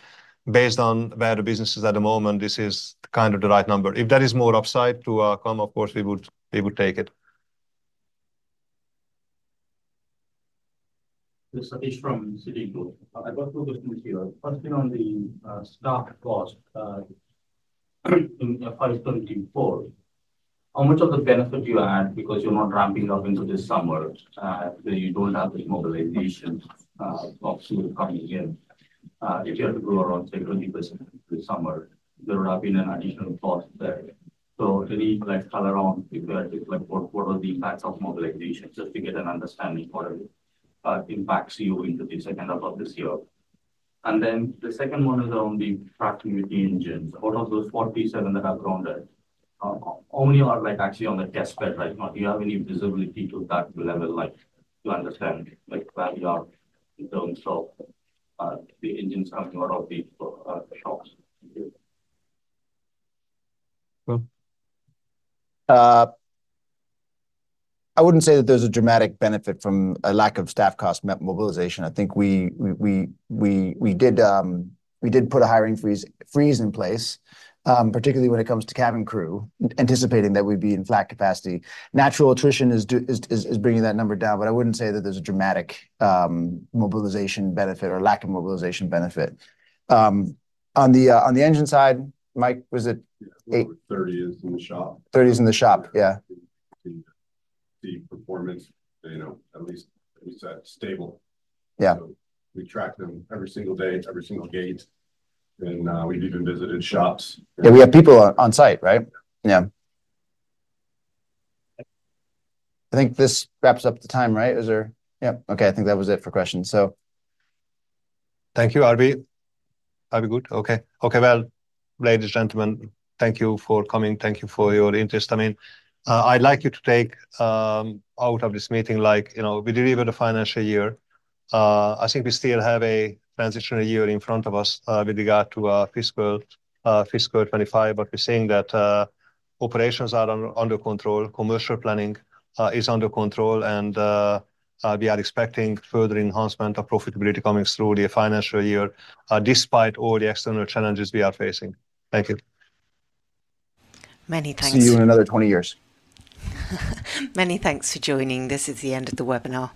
based on where the business is at the moment, this is kind of the right number. If there is more upside to come, of course, we would take it. This is Sathish from Citigroup. I've got two questions here. First, on the staff cost in fiscal 2024, how much of the benefit you add because you're not ramping up into this summer, you don't have the mobilization option coming in? If you had to grow around 20% this summer, there would have been an additional cost there. So any, like, color on, like, what, what are the impacts of mobilization? Just to get an understanding, what impacts you into the second half of this year. And then the second one is on the tracking with the engines. Out of those 47 that have grounded, only are like actually on the test bed right now. Do you have any visibility to that level, like to understand like where we are in terms of the engines coming out of the shops? Well- I wouldn't say that there's a dramatic benefit from a lack of staff cost mobilization. I think we did put a hiring freeze in place, particularly when it comes to cabin crew, anticipating that we'd be in flat capacity. Natural attrition is bringing that number down, but I wouldn't say that there's a dramatic mobilization benefit or lack of mobilization benefit. On the engine side, Mike, was it eight- Yeah, 30 is in the shop. 30 is in the shop, yeah. The performance, you know, at least stable. Yeah. We track them every single day, every single gate, and we've even visited shops. Yeah, we have people on, on site, right? Yeah. I think this wraps up the time, right? Is there... Yeah. Okay, I think that was it for questions, so. Thank you, R.B. R.B., good? Okay. Okay, well, ladies and gentlemen, thank you for coming. Thank you for your interest. I mean, I'd like you to take, out of this meeting, like, you know, we delivered a financial year. I think we still have a transitional year in front of us, with regard to, fiscal 25. But we're seeing that, operations are under control, commercial planning, is under control, and, we are expecting further enhancement of profitability coming through the financial year, despite all the external challenges we are facing. Thank you. Many thanks. See you in another 20 years. Many thanks for joining. This is the end of the webinar.